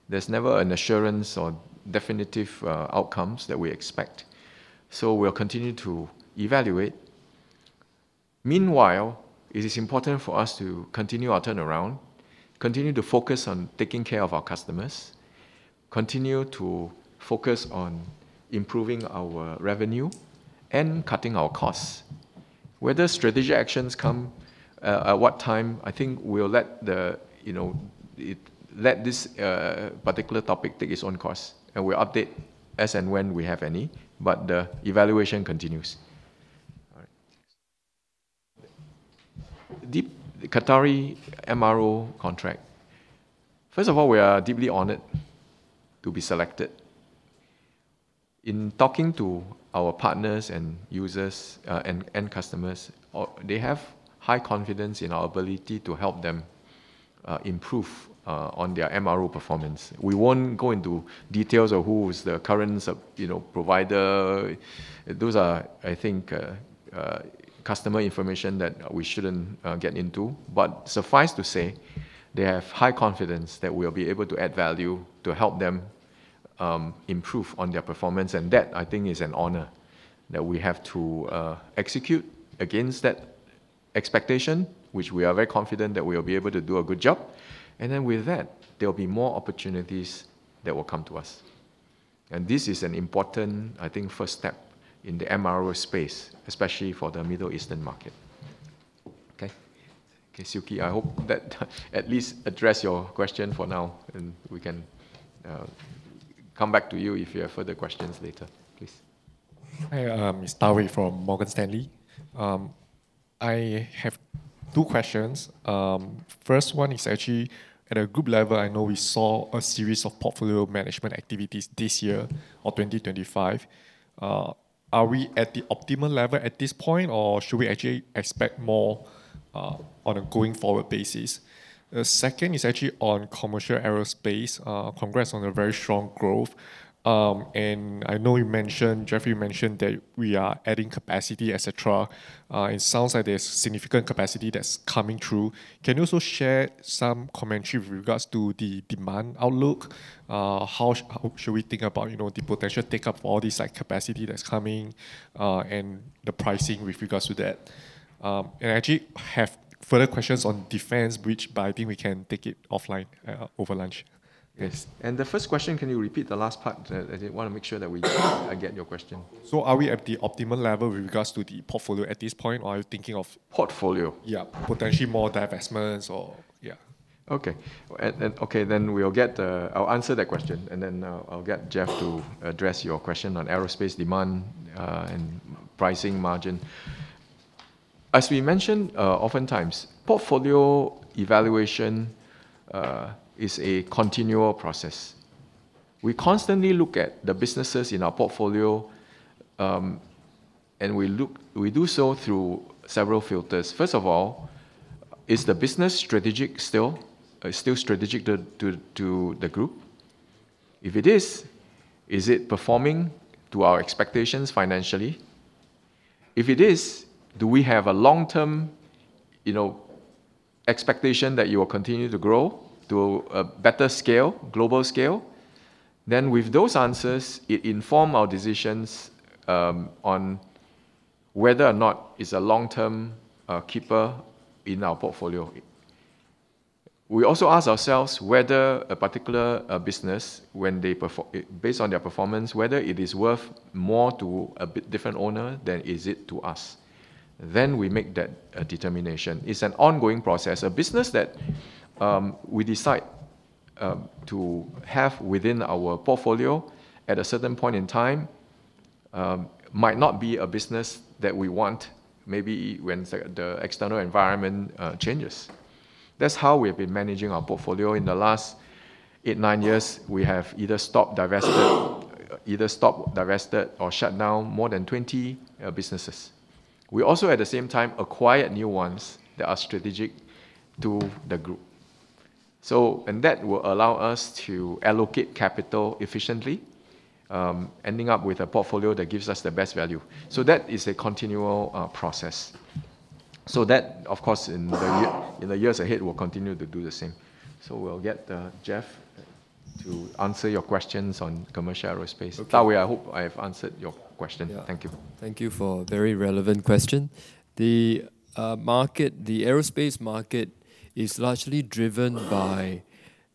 Speaker 3: There's never an assurance or definitive outcomes that we expect, so we'll continue to evaluate. Meanwhile, it is important for us to continue our turnaround, continue to focus on taking care of our customers, continue to focus on improving our revenue, and cutting our costs. Whether strategic actions come at what time, I think we'll let the, you know, let this particular topic take its own course, and we'll update as and when we have any, but the evaluation continues. All right. The Qatari MRO contract. First of all, we are deeply honored to be selected. In talking to our partners and users, and customers, they have high confidence in our ability to help them improve on their MRO performance. We won't go into details of who is the current sub, you know, provider. Those are, I think, customer information that we shouldn't get into. Suffice to say, they have high confidence that we'll be able to add value to help them improve on their performance. That, I think, is an honor, that we have to execute against that expectation, which we are very confident that we will be able to do a good job. With that, there will be more opportunities that will come to us. This is an important, I think, first step in the MRO space, especially for the Middle Eastern market. Okay? Okay, Sukhi, I hope that at least address your question for now, and we can come back to you if you have further questions later. Please.
Speaker 14: Hi, it's Da Wei from Morgan Stanley. I have two questions. First one is actually at a group level. I know we saw a series of portfolio management activities this year or 2025. Are we at the optimal level at this point, or should we actually expect more on a going-forward basis? The second is actually on Commercial Aerospace. Congrats on a very strong growth. I know you mentioned, Jeffrey mentioned, that we are adding capacity, et cetera. It sounds like there's significant capacity that's coming through. Can you also share some commentary with regards to the demand outlook? How should we think about, you know, the potential take-up for all this, like, capacity that's coming, and the pricing with regards to that? I actually have further questions on defense, which but I think we can take it offline over lunch.
Speaker 3: Yes. The first question, can you repeat the last part? I did want to make sure that I get your question.
Speaker 14: Are we at the optimal level with regards to the portfolio at this point, or are you thinking of?
Speaker 3: Portfolio?
Speaker 14: Yeah. Potentially more divestments or... Yeah.
Speaker 3: Then we'll get I'll answer that question, and then I'll get Jeff to address your question on aerospace demand and pricing margin. As we mentioned, oftentimes, portfolio evaluation is a continual process. We constantly look at the businesses in our portfolio, and we do so through several filters. First of all, is the business strategic still strategic to the group? If it is it performing to our expectations financially? If it is, do we have a long-term, you know, expectation that it will continue to grow to a better scale, global scale? Then with those answers, it inform our decisions on whether or not it's a long-term keeper in our portfolio. We also ask ourselves whether a particular business, when they perform based on their performance, whether it is worth more to a bit different owner than is it to us. We make that determination. It's an ongoing process. A business that we decide to have within our portfolio at a certain point in time might not be a business that we want, maybe when the external environment changes. That's how we've been managing our portfolio. In the last eight, nine years, we have either stopped, divested, or shut down more than 20 businesses. We also, at the same time, acquired new ones that are strategic to the group. That will allow us to allocate capital efficiently, ending up with a portfolio that gives us the best value. That is a continual process. That, of course, in the years ahead, we'll continue to do the same. We'll get Jeff to answer your questions on Commercial Aerospace.
Speaker 14: Okay.
Speaker 3: Dawei, I hope I have answered your question.
Speaker 14: Yeah.
Speaker 3: Thank you.
Speaker 7: Thank you for a very relevant question. The market, the aerospace market is largely driven by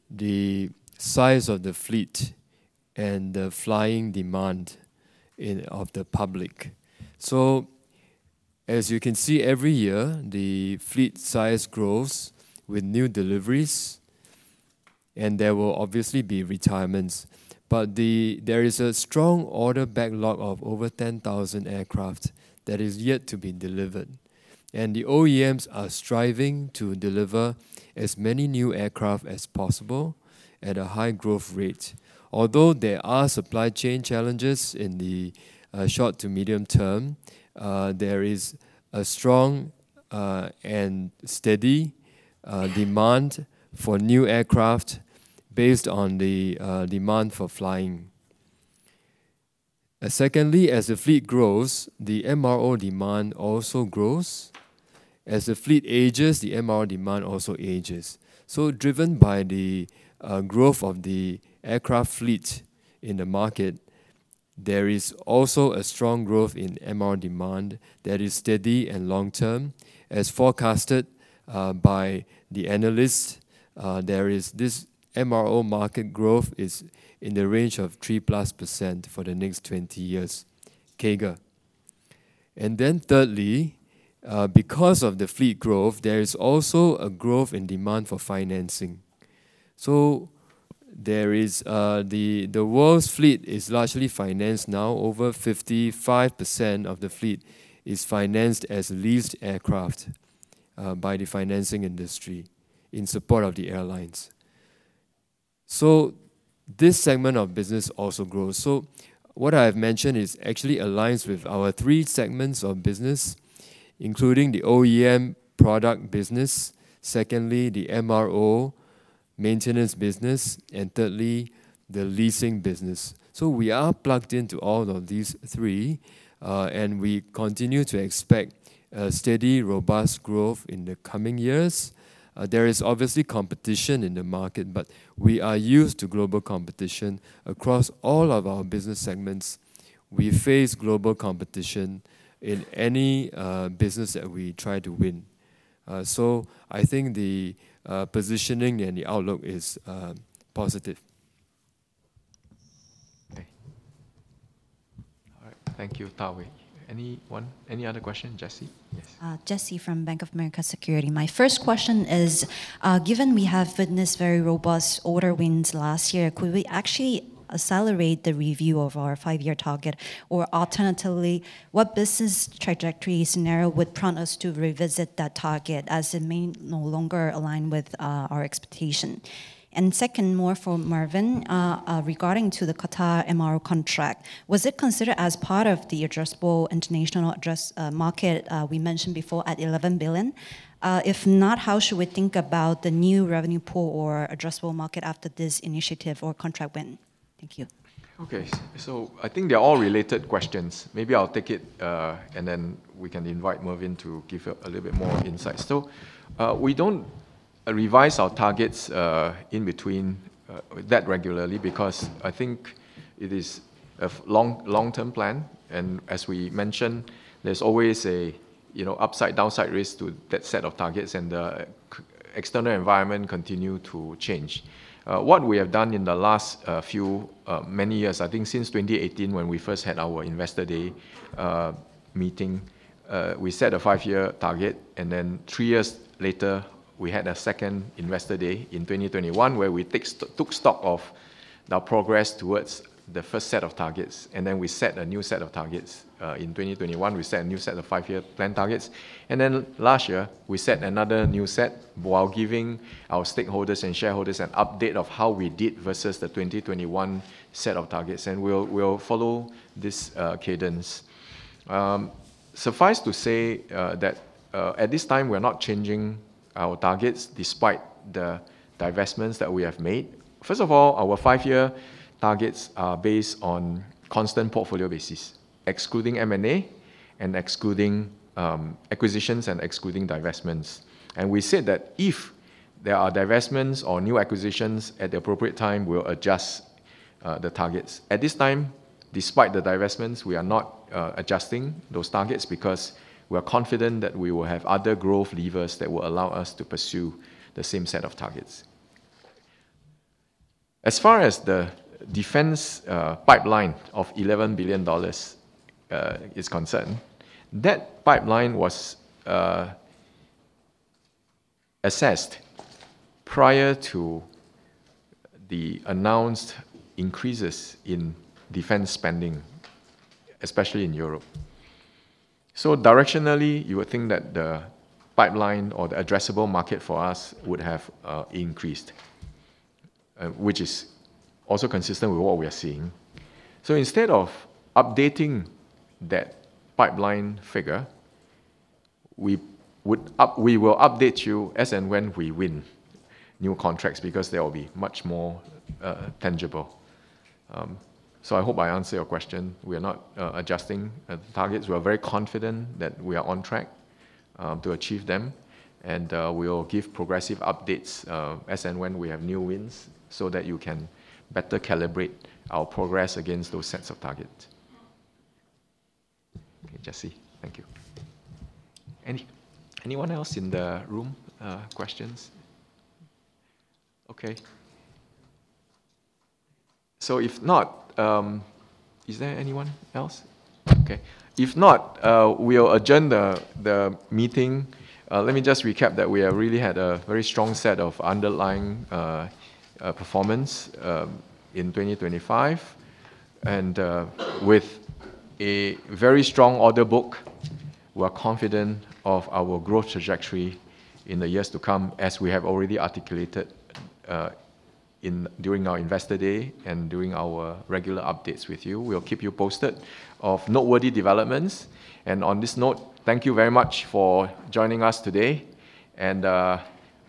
Speaker 7: the size of the fleet and the flying demand of the public. As you can see, every year, the fleet size grows with new deliveries, and there will obviously be retirements. There is a strong order backlog of over 10,000 aircraft that is yet to be delivered, and the OEMs are striving to deliver as many new aircraft as possible at a high growth rate. Although there are supply chain challenges in the short to medium term, there is a strong and steady demand for new aircraft based on the demand for flying. Secondly, as the fleet grows, the MRO demand also grows. As the fleet ages, the MRO demand also ages. Driven by the growth of the aircraft fleet in the market, there is also a strong growth in MRO demand that is steady and long-term. As forecasted by the analysts, there is this MRO market growth is in the range of 3+% for the next 20 years, CAGR. Thirdly, because of the fleet growth, there is also a growth in demand for financing. There is the world's fleet is largely financed now. Over 55% of the fleet is financed as leased aircraft by the financing industry in support of the airlines. This segment of business also grows. What I've mentioned is actually aligns with our three segments of business, including the OEM product business, secondly, the MRO maintenance business, and thirdly, the leasing business. We are plugged into all of these three, and we continue to expect a steady, robust growth in the coming years. There is obviously competition in the market. We are used to global competition across all of our business segments. We face global competition in any business that we try to win. I think the positioning and the outlook is positive. Okay. All right. Thank you, Da Wei. Any other question, Jesse? Yes.
Speaker 15: Jesse from BofA Securities. My first question is, given we have witnessed very robust order wins last year, could we actually accelerate the review of our five-year target? Alternatively, what business trajectory scenario would prompt us to revisit that target, as it may no longer align with, our expectation? Second, more for Marvin, regarding to the Qatar MRO contract, was it considered as part of the addressable international address, market, we mentioned before at $11 billion? If not, how should we think about the new revenue pool or addressable market after this initiative or contract win? Thank you.
Speaker 3: I think they're all related questions. Maybe I'll take it, and then we can invite Marvin to give a little bit more insight. We don't revise our targets in between that regularly, because I think it is a long-term plan, and as we mentioned, there's always a, you know, upside, downside risk to that set of targets, and the external environment continue to change. What we have done in the last few, many years, I think since 2018, when we first had our Investor Day meeting, we set a five-year target, and then three years later, we had a second Investor Day in 2021, where we took stock of our progress towards the first set of targets, and then we set a new set of targets. In 2021, we set a new set of five-year plan targets. Last year, we set another new set while giving our stakeholders and shareholders an update of how we did versus the 2021 set of targets, we'll follow this cadence. Suffice to say, at this time, we're not changing our targets, despite the divestments that we have made. First of all, our five-year targets are based on constant portfolio basis, excluding M&A and excluding acquisitions and excluding divestments. We said that if there are divestments or new acquisitions at the appropriate time, we'll adjust the targets. At this time, despite the divestments, we are not adjusting those targets because we are confident that we will have other growth levers that will allow us to pursue the same set of targets. As far as the defense pipeline of $11 billion is concerned, that pipeline was assessed prior to the announced increases in defense spending, especially in Europe. Directionally, you would think that the pipeline or the addressable market for us would have increased, which is also consistent with what we are seeing. Instead of updating that pipeline figure, we will update you as and when we win new contracts because they will be much more tangible. I hope I answered your question. We are not adjusting targets. We are very confident that we are on track to achieve them, and we will give progressive updates as and when we have new wins so that you can better calibrate our progress against those sets of targets. Jesse, thank you. Anyone else in the room, questions? Okay. If not, Is there anyone else? Okay. If not, we'll adjourn the meeting. Let me just recap that we have really had a very strong set of underlying performance in 2025, with a very strong order book, we are confident of our growth trajectory in the years to come, as we have already articulated during our Investor Day and during our regular updates with you. We'll keep you posted of noteworthy developments. On this note, thank you very much for joining us today,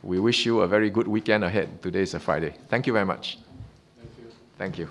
Speaker 3: we wish you a very good weekend ahead. Today is a Friday. Thank you very much.
Speaker 15: Thank you.
Speaker 3: Thank you.